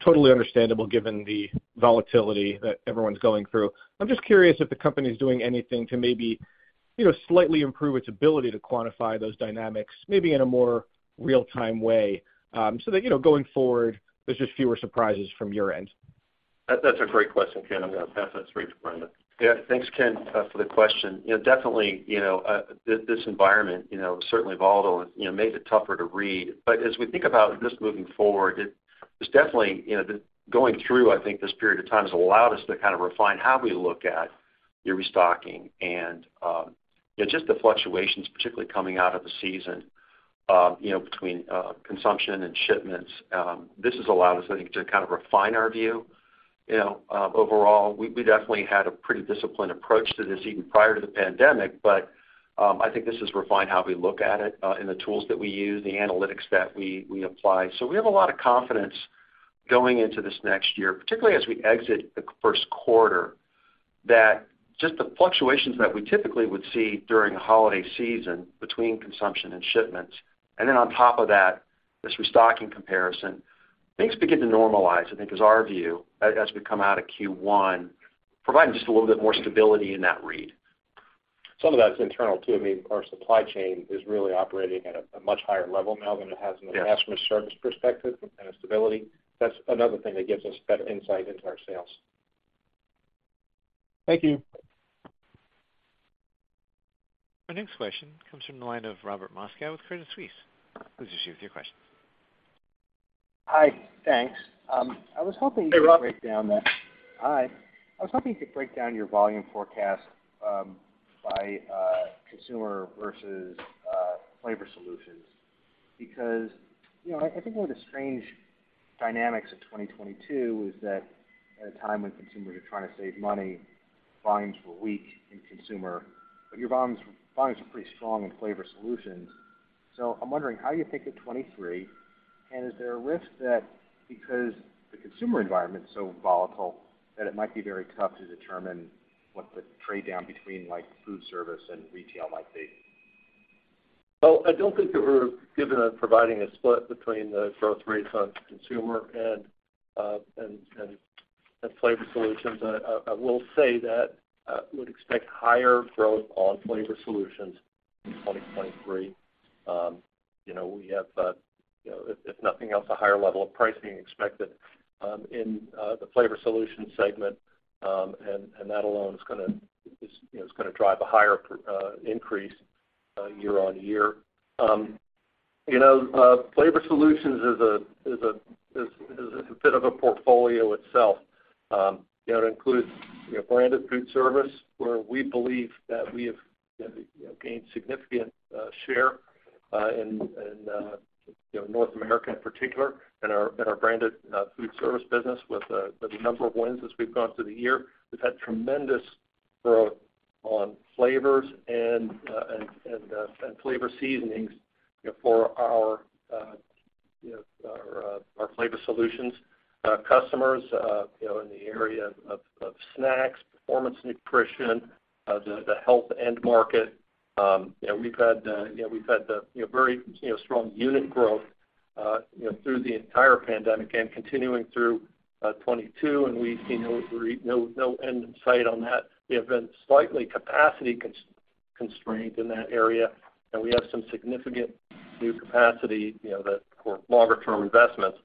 Totally understandable given the volatility that everyone's going through. I'm just curious if the company's doing anything to maybe, you know, slightly improve its ability to quantify those dynamics maybe in a more real-time way, so that, you know, going forward, there's just fewer surprises from your end. That's a great question, Ken. I'm gonna pass that straight to Brendan. Yeah. Thanks, Ken, for the question. You know, definitely, you know, this environment, you know, certainly volatile and, you know, made it tougher to read. As we think about this moving forward, it's definitely, you know, the going through, I think, this period of time has allowed us to kind of refine how we look at your restocking and, you know, just the fluctuations particularly coming out of the season, you know, between consumption and shipments. This has allowed us, I think, to kind of refine our view. You know, overall, we definitely had a pretty disciplined approach to this even prior to the pandemic, but I think this has refined how we look at it and the tools that we use, the analytics that we apply. We have a lot of confidence going into this next year, particularly as we exit the first quarter, that just the fluctuations that we typically would see during a holiday season between consumption and shipments, and then on top of that, this restocking comparison, things begin to normalize, I think is our view, as we come out of Q1, providing just a little bit more stability in that read. Some of that's internal too. I mean, our supply chain is really operating at a much higher level now than it has. Yeah... from a customer service perspective and stability. That's another thing that gives us better insight into our sales. Thank you. Our next question comes from the line of Robert Moskow with Credit Suisse. Please proceed with your question. Hi. Thanks. Hey, Robert. Hi. I was hoping to break down your volume forecast by consumer versus Flavor Solutions. You know, I think one of the strange dynamics of 2022 is that at a time when consumers are trying to save money, volumes were weak in consumer, but your volumes were pretty strong in Flavor Solutions. I'm wondering how you think of 2023, and is there a risk that because the consumer environment's so volatile, that it might be very tough to determine what the trade-down between, like, food service and retail might be? Well, I don't think that we're given or providing a split between the growth rates on consumer and Flavor Solutions. I will say that would expect higher growth on Flavor Solutions in 2023. You know, we have, you know, if nothing else, a higher level of pricing expected in the Flavor Solutions segment. That alone is gonna drive a higher increase year-on-year. You know, Flavor Solutions is a bit of a portfolio itself. you know, it includes, you know, branded food service, where we believe that we have, you know, gained significant share in, you know, North America in particular in our, in our branded food service business with the number of wins as we've gone through the year. We've had tremendous growth on flavors and flavor seasonings, you know, for our, you know, our Flavor Solutions customers, you know, in the area of snacks, performance nutrition, the health end market. you know, we've had, you know, we've had the, you know, very, you know, strong unit growth, you know, through the entire pandemic and continuing through 2022, and we see no end in sight on that. We have been slightly capacity constrained in that area. We have some significant new capacity, you know, that for longer-term investments,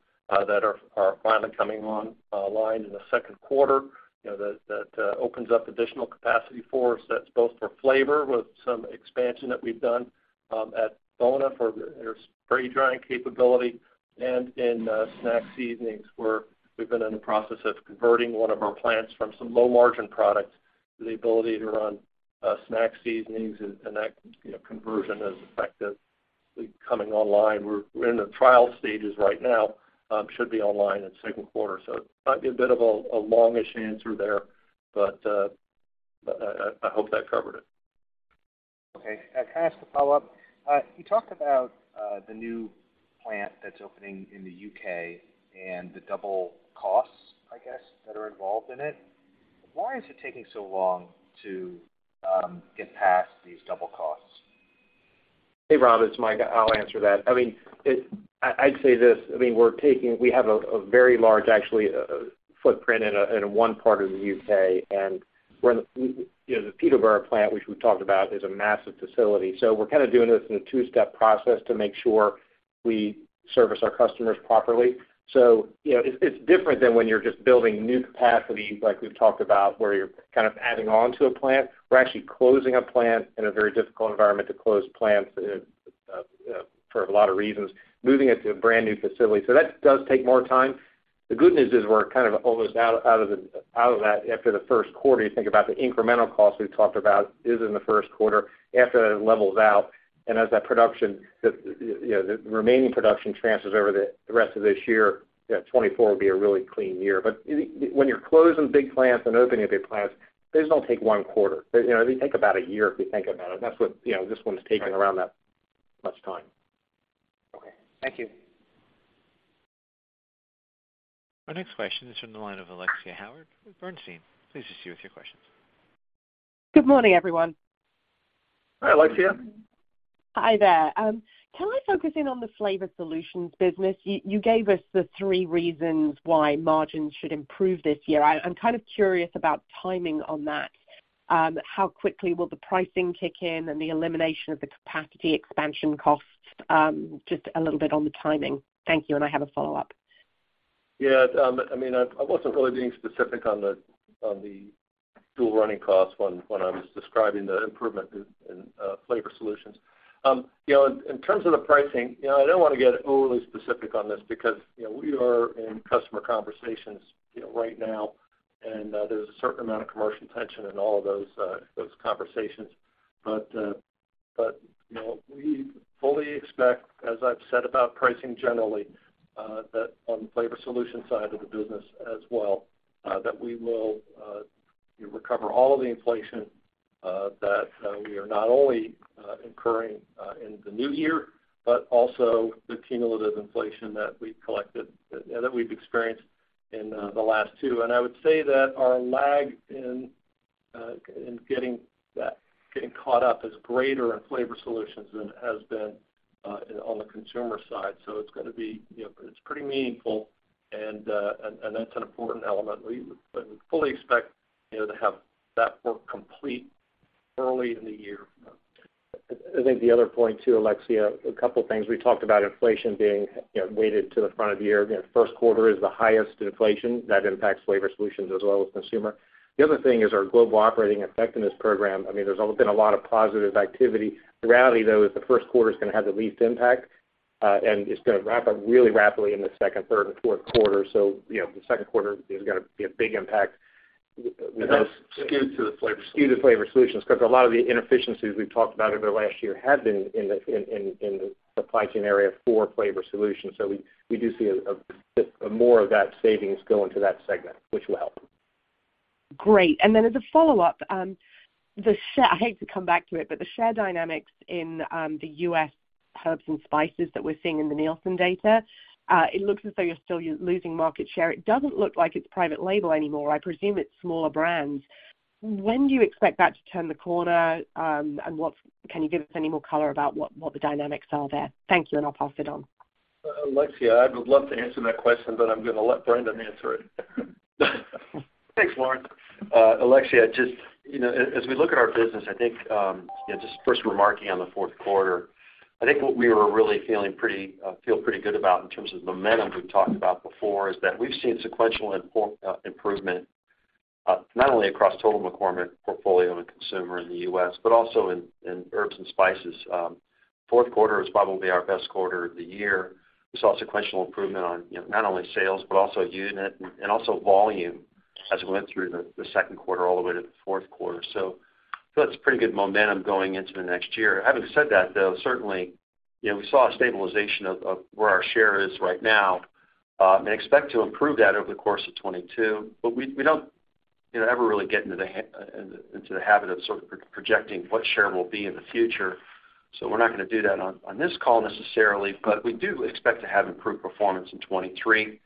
that are finally coming online in the second quarter. That opens up additional capacity for us, that's both for flavor with some expansion that we've done at FONA for their spray drying capability and in snack seasonings, where we've been in the process of converting one of our plants from some low-margin products to the ability to run snack seasonings and that, you know, conversion is effective. Coming online, we're in the trial stages right now, should be online in second quarter. Might be a bit of a longish answer there, but I hope that covered it. Okay. Can I ask a follow-up? You talked about the new plant that's opening in the U.K. and the double costs, I guess, that are involved in it. Why is it taking so long to get past these double costs? Hey, Rob, it's Mike. I'll answer that. I'd say this, I mean, we have a very large actually footprint in one part of the U.K., and we're, you know, the Peterborough plant, which we've talked about, is a massive facility. We're kind of doing this in a two-step process to make sure we service our customers properly. You know, it's different than when you're just building new capacity like we've talked about, where you're kind of adding on to a plant. We're actually closing a plant in a very difficult environment to close plants for a lot of reasons, moving it to a brand-new facility. That does take more time. The good news is we're kind of almost out of that after the first quarter. You think about the incremental cost we've talked about is in the first quarter. After that, it levels out, and as that production, the, you know, the remaining production transfers over the rest of this year, you know, 2024 will be a really clean year. When you're closing big plants and opening up big plants, those don't take one quarter. You know, they take about a year if we think about it. That's what, you know, this one's taking around that much time. Okay. Thank you. Our next question is from the line of Alexia Howard with Bernstein. Please proceed with your questions. Good morning, everyone. Hi, Alexia. Hi there. Can I focus in on the Flavor Solutions business? You gave us the three reasons why margins should improve this year. I'm kind of curious about timing on that. How quickly will the pricing kick in and the elimination of the capacity expansion costs, just a little bit on the timing. Thank you, and I have a follow-up. I mean, I wasn't really being specific on the, on the dual running costs when I was describing the improvement in Flavor Solutions. You know, in terms of the pricing, you know, I don't wanna get overly specific on this because, you know, we are in customer conversations, you know, right now, there's a certain amount of commercial tension in all of those conversations. But, you know, we fully expect, as I've said about pricing generally, that on the Flavor Solution side of the business as well, that we will recover all of the inflation that we are not only incurring in the new year but also the cumulative inflation that we've collected, that we've experienced in the last two. I would say that our lag in getting caught up is greater in Flavor Solutions than it has been on the consumer side. It's gonna be, you know, it's pretty meaningful and that's an important element. We fully expect, you know, to have that work complete early in the year. I think the other point too, Alexia, a couple things. We talked about inflation being, you know, weighted to the front of the year. You know, first quarter is the highest inflation that impacts Flavor Solutions as well as consumer. The other thing is our Global Operating Effectiveness Program. I mean, there's been a lot of positive activity. The reality, though, is the first quarter's gonna have the least impact, and it's gonna wrap up really rapidly in the second, third, and fourth quarter. You know, the second quarter is gonna be a big impact. That's skewed to the Flavor Solutions. Skewed to Flavor Solutions because a lot of the inefficiencies we've talked about over the last year have been in the supply chain area for Flavor Solutions. We do see a bit more of that savings go into that segment, which will help. Great. As a follow-up, I hate to come back to it, but the share dynamics in the U.S. herbs and spices that we're seeing in the Nielsen data, it looks as though you're still losing market share. It doesn't look like it's private label anymore. I presume it's smaller brands. When do you expect that to turn the corner, can you give us any more color about what the dynamics are there? Thank you, and I'll pass it on. Alexia, I would love to answer that question, but I'm gonna let Brendan answer it. Thanks, Lawrence. Alexia, just, you know, as we look at our business, I think, you know, just first remarking on the fourth quarter, I think what we were really feeling pretty, feel pretty good about in terms of momentum we've talked about before is that we've seen sequential improvement, not only across total McCormick portfolio and consumer in the U.S., but also in herbs and spices. Fourth quarter is probably our best quarter of the year. We saw sequential improvement on, you know, not only sales, but also unit and also volume as we went through the second quarter all the way to the fourth quarter. Feel it's pretty good momentum going into the next year. Having said that, though, certainly, you know, we saw a stabilization of where our share is right now, and expect to improve that over the course of 2022. We don't, you know, ever really get into the habit of sort of projecting what share will be in the future. We're not gonna do that on this call necessarily, but we do expect to have improved performance in 2023.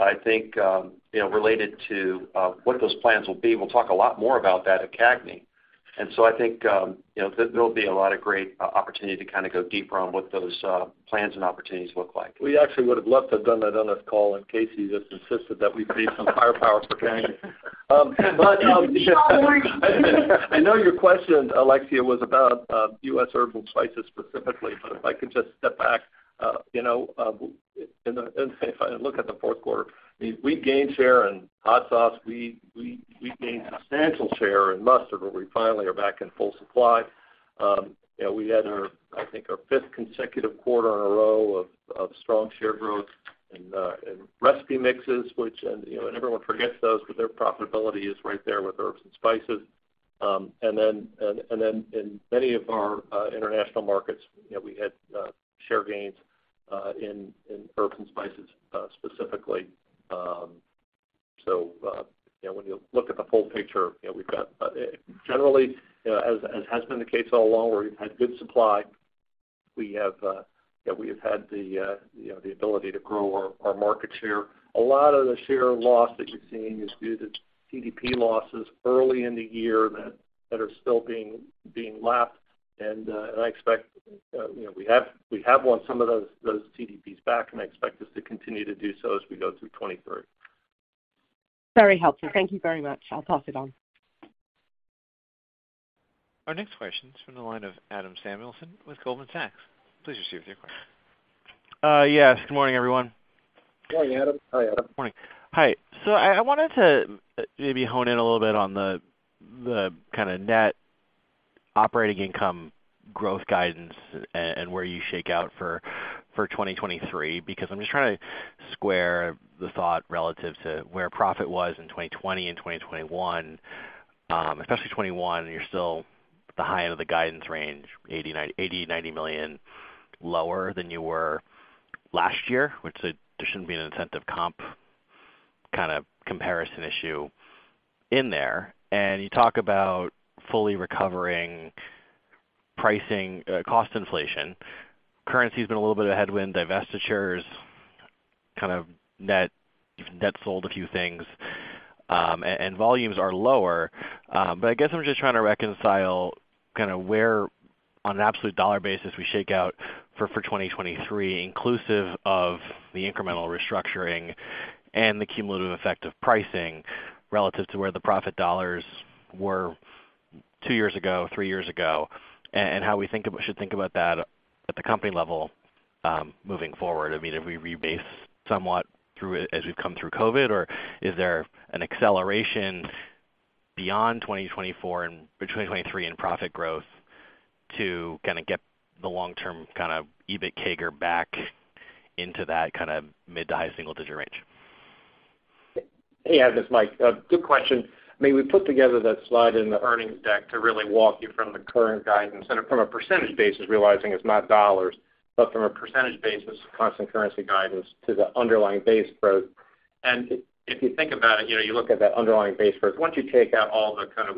I think, you know, related to what those plans will be, we'll talk a lot more about that at CAGNY. I think, you know, there will be a lot of great opportunity to kind of go deeper on what those plans and opportunities look like. We actually would have loved to have done that on this call, Kasey just insisted that we bring some firepower for Canada. I know your question, Alexia, was about U.S. herbal spices specifically, but if I could just step back, you know, if I look at the fourth quarter, we gained share in hot sauce, we gained substantial share in mustard, where we finally are back in full supply. You know, we had our, I think, our fifth consecutive quarter in a row of strong share growth and recipe mixes, which, you know, everyone forgets those, but their profitability is right there with herbs and spices. In many of our international markets, you know, we had share gains in herbs and spices specifically. You know, when you look at the full picture, you know, we've got generally, as has been the case all along, where we've had good supply, we have, you know, we have had the, you know, the ability to grow our market share. A lot of the share loss that you're seeing is due to CDP losses early in the year that are still being lapped. I expect, you know, we have won some of those CDPs back, and I expect us to continue to do so as we go through 23. Very helpful. Thank you very much. I'll pass it on. Our next question is from the line of Adam Samuelson with Goldman Sachs. Please proceed with your question. Yes, good morning, everyone. Morning, Adam. Hi, Adam. Morning. Hi. I wanted to maybe hone in a little bit on the kinda net operating income growth guidance and where you shake out for 2023, because I'm just trying to square the thought relative to where profit was in 2020 and 2021, especially 2021. You're still at the high end of the guidance range, $80 million-$90 million lower than you were last year, which there shouldn't be an incentive comp kind of comparison issue in there. You talk about fully recovering pricing, cost inflation. Currency's been a little bit of a headwind. Divestitures kind of net, you've net sold a few things, and volumes are lower. I guess I'm just trying to reconcile kinda where on an absolute dollar basis we shake out for 2023, inclusive of the incremental restructuring and the cumulative effect of pricing relative to where the profit dollars were two years ago, three years ago, and how we should think about that at the company level, moving forward. I mean, have we rebased somewhat through as we've come through COVID, or is there an acceleration beyond 2024 or 2023 in profit growth to kinda get the long term kinda EBIT CAGR back into that kinda mid to high single-digit range? Hey, Adam, it's Mike. Good question. I mean, we put together that slide in the earnings deck to really walk you from the current guidance and from a percentage basis, realizing it's not dollars, but from a percentage basis, constant currency guidance to the underlying base growth. If you think about it, you know, you look at that underlying base growth, once you take out all the kind of,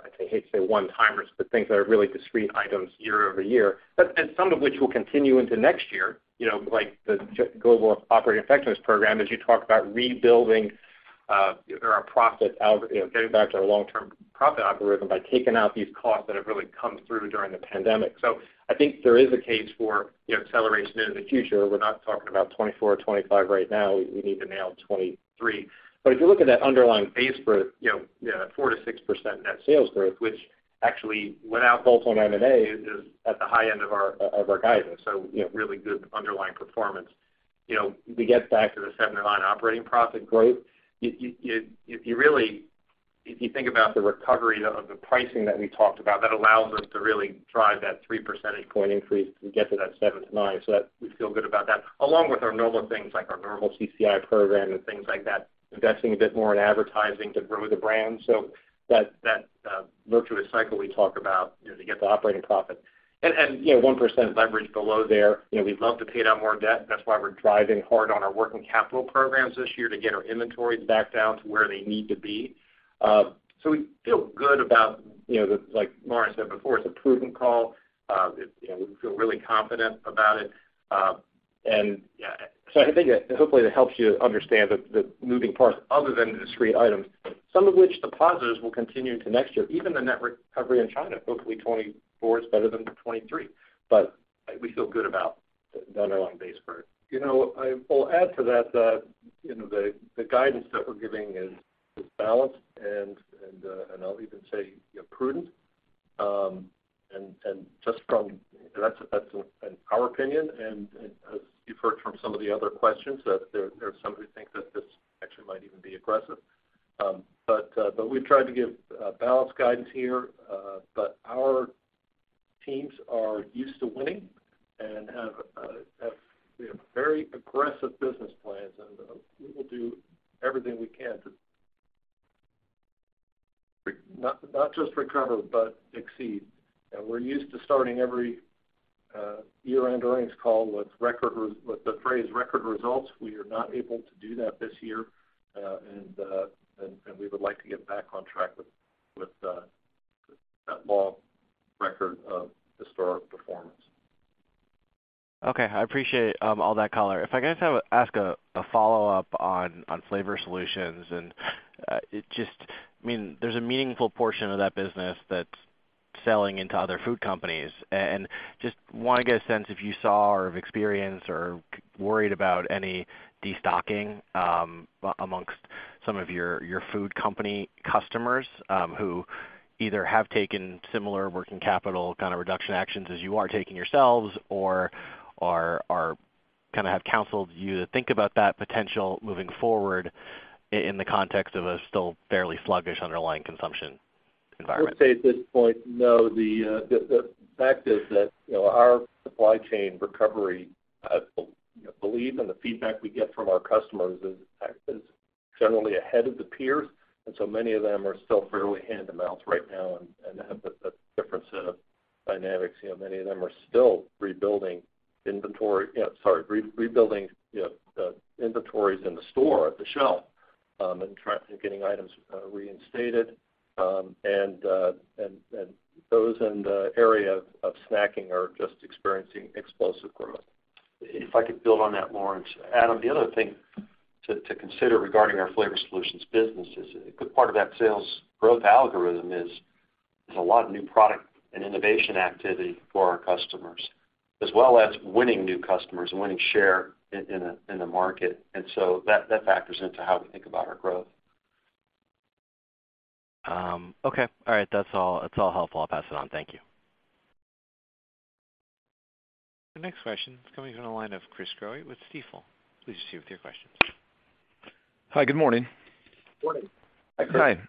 I hate to say one-timers, but things that are really discrete items year-over-year, and some of which will continue into next year, you know, like the Global Operating Effectiveness Program, as you talk about rebuilding, our profit algorithm, you know, getting back to our long-term profit algorithm by taking out these costs that have really come through during the pandemic. I think there is a case for, you know, acceleration in the future. We're not talking about 2024 or 2025 right now. We need to nail 2023. If you look at that underlying base growth, you know, that 4%-6% net sales growth, which actually without bolt-on M&A is at the high end of our guidance. You know, really good underlying performance. You, if you really, if you think about the recovery of the pricing that we talked about, that allows us to really drive that 3 percentage point increase to get to that seven to nine. That, we feel good about that, along with our normal things like our normal CCI program and things like that, investing a bit more in advertising to grow the brand. So that look to the cycle we talk about, you know, to get the operating profit. You know, 1% leverage below there, you know, we'd love to pay down more debt. That's why we're driving hard on our working capital programs this year to get our inventories back down to where they need to be. We feel good about, you know, the, like Lawrence said before, it's a prudent call. You know, we feel really confident about it. Yeah, I think hopefully that helps you understand the moving parts other than the discrete items, some of which the positives will continue into next year, even the net recovery in China. Hopefully, 2024 is better than 2023, but we feel good about the underlying base growth. You know, I will add to that, you know, the guidance that we're giving is balanced and I'll even say, you know, prudent. Just, that's our opinion, and as you've heard from some of the other questions, that there are some who think that this actually might even be aggressive. We've tried to give balanced guidance here, but our teams are used to winning and have, you know, very aggressive business plans, and we will do everything we can to not just recover, but exceed. We're used to starting every year-end earnings call with the phrase record results. We are not able to do that this year, and we would like to get back on track with that long record of historic performance. Okay, I appreciate all that color. If I can just ask a follow-up on Flavor Solutions and it just I mean, there's a meaningful portion of that business that's selling into other food companies. Just wanna get a sense if you saw or have experienced or worried about any destocking amongst some of your food company customers who either have taken similar working capital kind of reduction actions as you are taking yourselves or are kinda have counseled you to think about that potential moving forward in the context of a still fairly sluggish underlying consumption environment? I would say at this point, no, the fact is that, you know, our supply chain recovery, you know, believe and the feedback we get from our customers is generally ahead of the peers. Many of them are still fairly hand-to-mouth right now and have a different set of dynamics. You know, many of them are still rebuilding inventories in the store at the shelf, and getting items reinstated. Those in the area of snacking are just experiencing explosive growth. If I could build on that, Lawrence. Adam, the other thing to consider regarding our Flavor Solutions business is a good part of that sales growth algorithm is a lot of new product and innovation activity for our customers, as well as winning new customers and winning share in the market. That factors into how we think about our growth. Okay. All right. That's all. It's all helpful. I'll pass it on. Thank you. The next question is coming from the line of Chris Growe with Stifel. Please proceed with your question. Hi, good morning. Morning. Hi, Chris. Hi.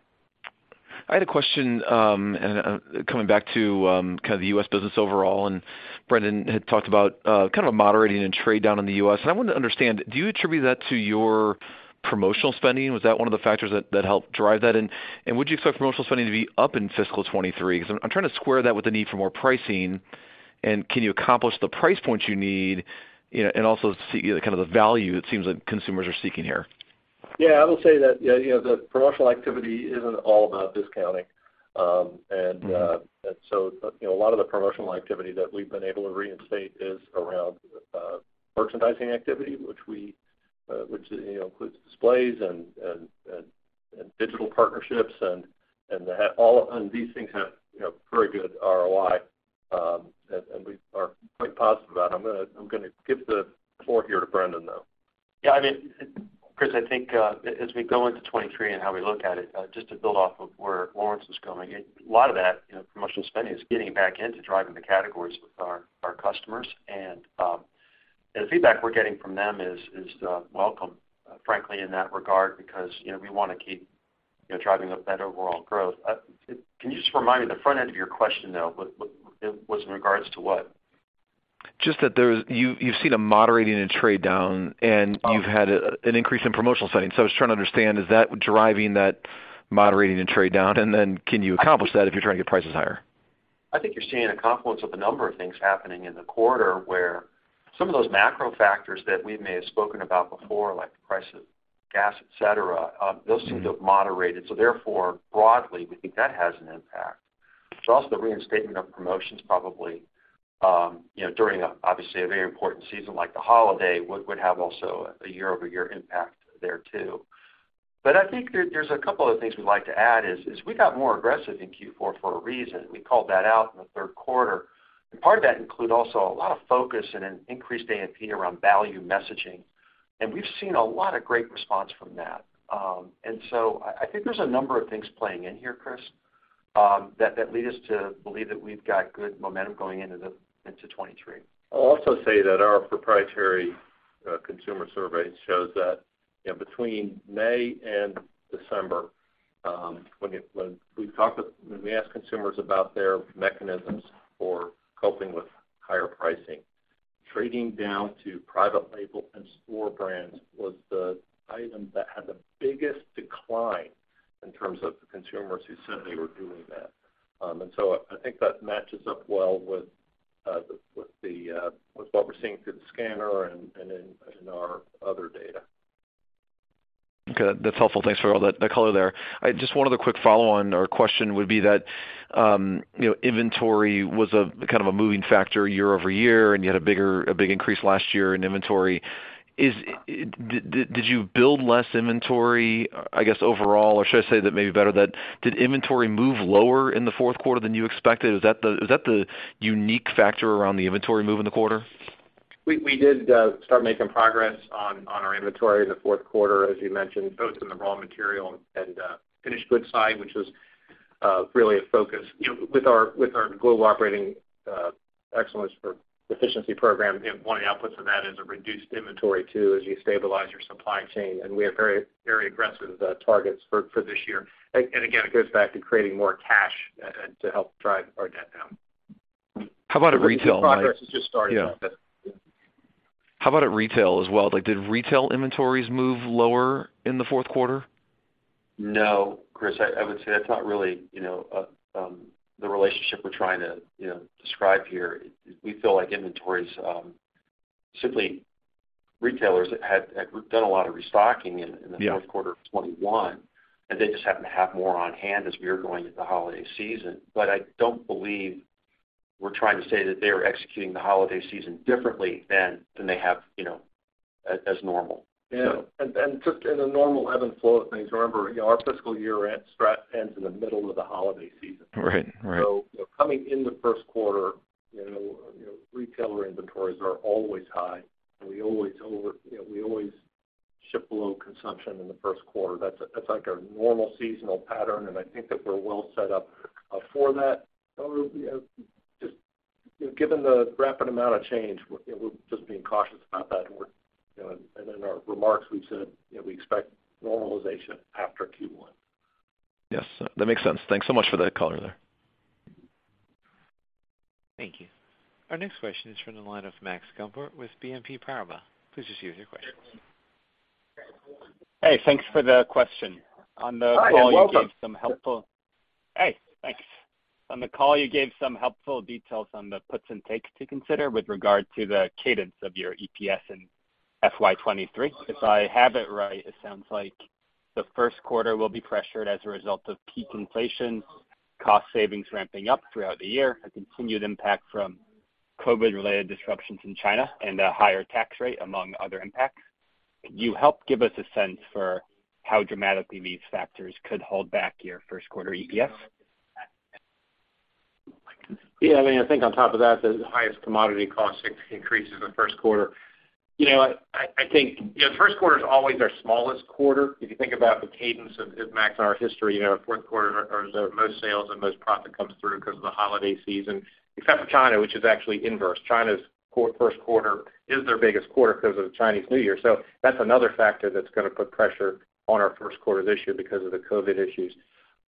I ad a question coming back to kind of the U.S. business overall, Brendan had talked about kind of a moderating in trade down in the U.S. I wanted to understand, do you attribute that to your promotional spending? Was that one of the factors that helped drive that? Would you expect promotional spending to be up in fiscal 2023, 'cause I'm trying to square that with the need for more pricing? Can you accomplish the price points you need, you know, and also see kind of the value it seems that consumers are seeking here? Yeah. I will say that, yeah, you know, the promotional activity isn't all about discounting. Mm-hmm. You know, a lot of the promotional activity that we've been able to reinstate is around merchandising activity, which we, which, you know, includes displays and digital partnerships and these things have, you know, very good ROI, and we are quite positive about them. I'm gonna give the floor here to Brendan, though. Yeah, I mean, Chris, I think, as we go into 2023 and how we look at it, just to build off of where Lawrence was going, a lot of that, you know, promotional spending is getting back into driving the categories with our customers. The feedback we're getting from them is welcome, frankly, in that regard because, you know, we wanna keep, you know, driving a better overall growth. Can you just remind me the front end of your question, though, what it was in regards to what? You've seen a moderating in trade down, and you've had an increase in promotional spending. I was trying to understand, is that driving that moderating in trade down? Can you accomplish that if you're trying to get prices higher? I think you're seeing a confluence of a number of things happening in the quarter, where some of those macro factors that we may have spoken about before, like the price of gas, et cetera, those seem to have moderated. Therefore, broadly, we think that has an impact. It's also the reinstatement of promotions probably, you know, during, obviously, a very important season like the holiday would have also a year-over-year impact there, too. I think there's a couple other things we'd like to add, is we got more aggressive in Q4 for a reason. We called that out in the third quarter. Part of that include also a lot of focus and an increased AMP around value messaging. We've seen a lot of great response from that. I think there's a number of things playing in here, Chris, that lead us to believe that we've got good momentum going into 2023. I'll also say that our proprietary consumer survey shows that, you know, between May and December, when we ask consumers about their mechanisms for coping with higher pricing, trading down to private label and store brands was the item that had the biggest decline in terms of the consumers who said they were doing that. I think that matches up well with the, with what we're seeing through the scanner and in, and in our other data. Okay, that's helpful. Thanks for all that color there. I just one other quick follow-on or question would be that, you know, inventory was a kind of a moving factor year-over-year, and you had a big increase last year in inventory. Did you build less inventory, I guess, overall? Or should I say that maybe better that did inventory move lower in the fourth quarter than you expected? Is that the, is that the unique factor around the inventory move in the quarter? We did start making progress on our inventory in the fourth quarter, as you mentioned, both in the raw material and finished goods side, which was really a focus. You know, with our global operating excellence for efficiency program, you know, one of the outputs of that is a reduced inventory too, as you stabilize your supply chain. Again, it goes back to creating more cash to help drive our debt down. How about at retail? This progress has just started. Yeah. Yeah. How about at retail as well? Like, did retail inventories move lower in the fourth quarter? No, Chris. I would say that's not really, you know, the relationship we're trying to, you know, describe here. We feel like inventories simply. Retailers had done a lot of restocking. Yeah In the fourth quarter of 2021, and they just happen to have more on hand as we are going into the holiday season. I don't believe we're trying to say that they are executing the holiday season differently than they have, you know, as normal. Yeah. Just in the normal ebb and flow of things, remember, you know, our fiscal year ends in the middle of the holiday season. Right. Right. You know, coming in the first quarter, you know, retailer inventories are always high, and we always you know, we always ship below consumption in the first quarter. That's like our normal seasonal pattern, and I think that we're well set up for that. You know, just given the rapid amount of change, you know, we're just being cautious about that and we're, you know, and in our remarks we've said, you know, we expect normalization after Q1. Yes. That makes sense. Thanks so much for that color there. Thank you. Our next question is from the line of Max Gumport with BNP Paribas. Please proceed with your question. Hey, thanks for the question. On the call, you gave some helpful- Hi, you're welcome. Hey, thanks. On the call, you gave some helpful details on the puts and takes to consider with regard to the cadence of your EPS in FY 2023. If I have it right, it sounds like the first quarter will be pressured as a result of peak inflation, cost savings ramping up throughout the year, a continued impact from COVID-related disruptions in China, and a higher tax rate, among other impacts. Could you help give us a sense for how dramatically these factors could hold back your first quarter EPS? I mean, I think on top of that, the highest commodity cost increases in the first quarter. You know, I think, you know, the first quarter is always our smallest quarter. If you think about the cadence of Max, our history, you know, our fourth quarter are the most sales and most profit comes through because of the holiday season. Except for China, which is actually inverse. China's first quarter is their biggest quarter because of the Chinese New Year. That's another factor that's going to put pressure on our first quarter this year because of the COVID issues.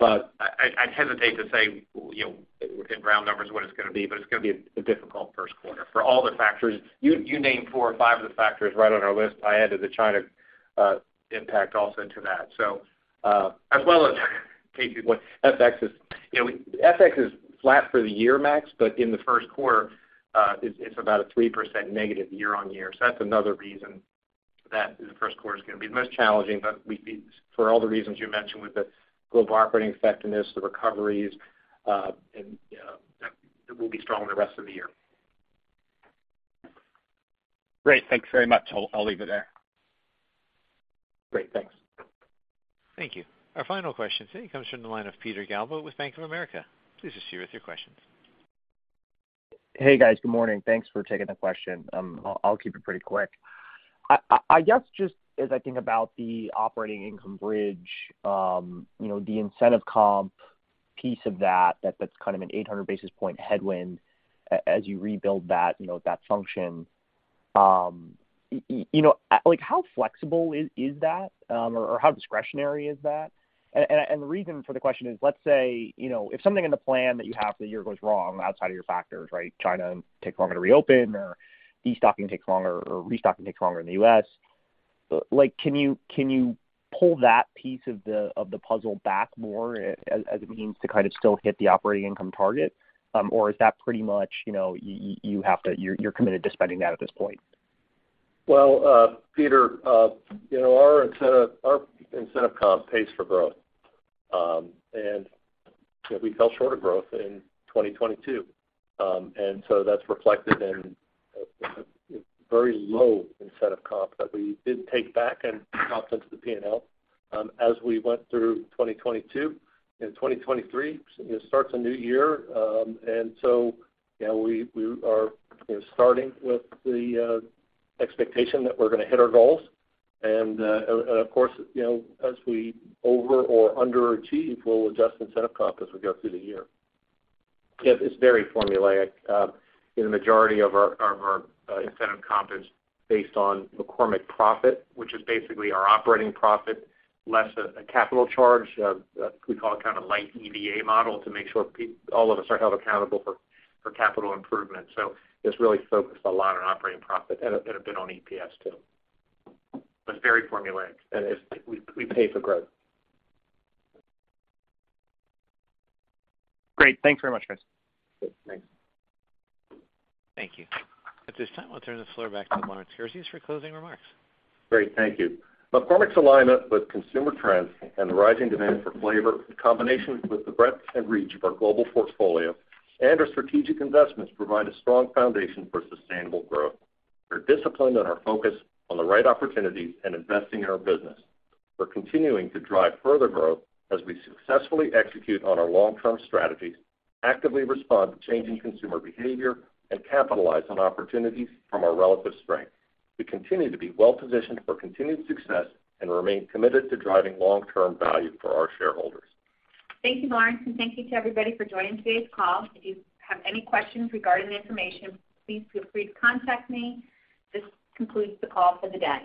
I'd hesitate to say, you know, in round numbers what it's going to be, but it's going to be a difficult first quarter for all the factors. You, you named four or five of the factors right on our list. I added the China impact also into that. As well as taking what FX is. You know, FX is flat for the year, Max, but in the first quarter, it's about a 3% negative year-on-year. That's another reason that the first quarter is going to be the most challenging, but for all the reasons you mentioned with the global operating effectiveness, the recoveries, and, you know, that it will be strong the rest of the year. Great. Thanks very much. I'll leave it there. Great. Thanks. Thank you. Our final question today comes from the line of Peter Galbo with Bank of America. Please proceed with your questions. Hey, guys. Good morning. Thanks for taking the question. I'll keep it pretty quick. I guess, just as I think about the operating income bridge, you know, the incentive comp piece of that's kind of an 800 basis point headwind as you rebuild that, you know, that function, you know, like, how flexible is that? How discretionary is that? The reason for the question is, let's say, you know, if something in the plan that you have for the year goes wrong outside of your factors, right? China takes longer to reopen or destocking takes longer or restocking takes longer in the U.S., like, can you pull that piece of the puzzle back more as it means to kind of still hit the operating income target? Is that pretty much, you know, you're committed to spending that at this point? Well, Peter, you know, our incentive comp pays for growth. You know, we fell short of growth in 2022. That's reflected in, you know, very low incentive comp that we did take back and comp since the P&L, as we went through 2022. In 2023, you know, starts a new year. You know, we are, you know, starting with the expectation that we're gonna hit our goals. Of course, you know, as we over or underachieve, we'll adjust incentive comp as we go through the year. Yeah. It's very formulaic. you know, the majority of our, of our incentive comp is based on McCormick profit, which is basically our operating profit less a capital charge. we call it kind of light EVA model to make sure all of us are held accountable for capital improvement. It's really focused a lot on operating profit and a bit on EPS too. It's very formulaic and we pay for growth. Great. Thanks very much, guys. Thanks. Thank you. At this time, I'll turn the floor back to Lawrence Kurzius for closing remarks. Great. Thank you. McCormick's alignment with consumer trends and the rising demand for flavor, in combination with the breadth and reach of our global portfolio and our strategic investments, provide a strong foundation for sustainable growth. We're disciplined in our focus on the right opportunities and investing in our business. We're continuing to drive further growth as we successfully execute on our long-term strategies, actively respond to changing consumer behavior, and capitalize on opportunities from our relative strength. We continue to be well-positioned for continued success and remain committed to driving long-term value for our shareholders. Thank you, Lawrence, and thank you to everybody for joining today's call. If you have any questions regarding the information, please feel free to contact me. This concludes the call for the day.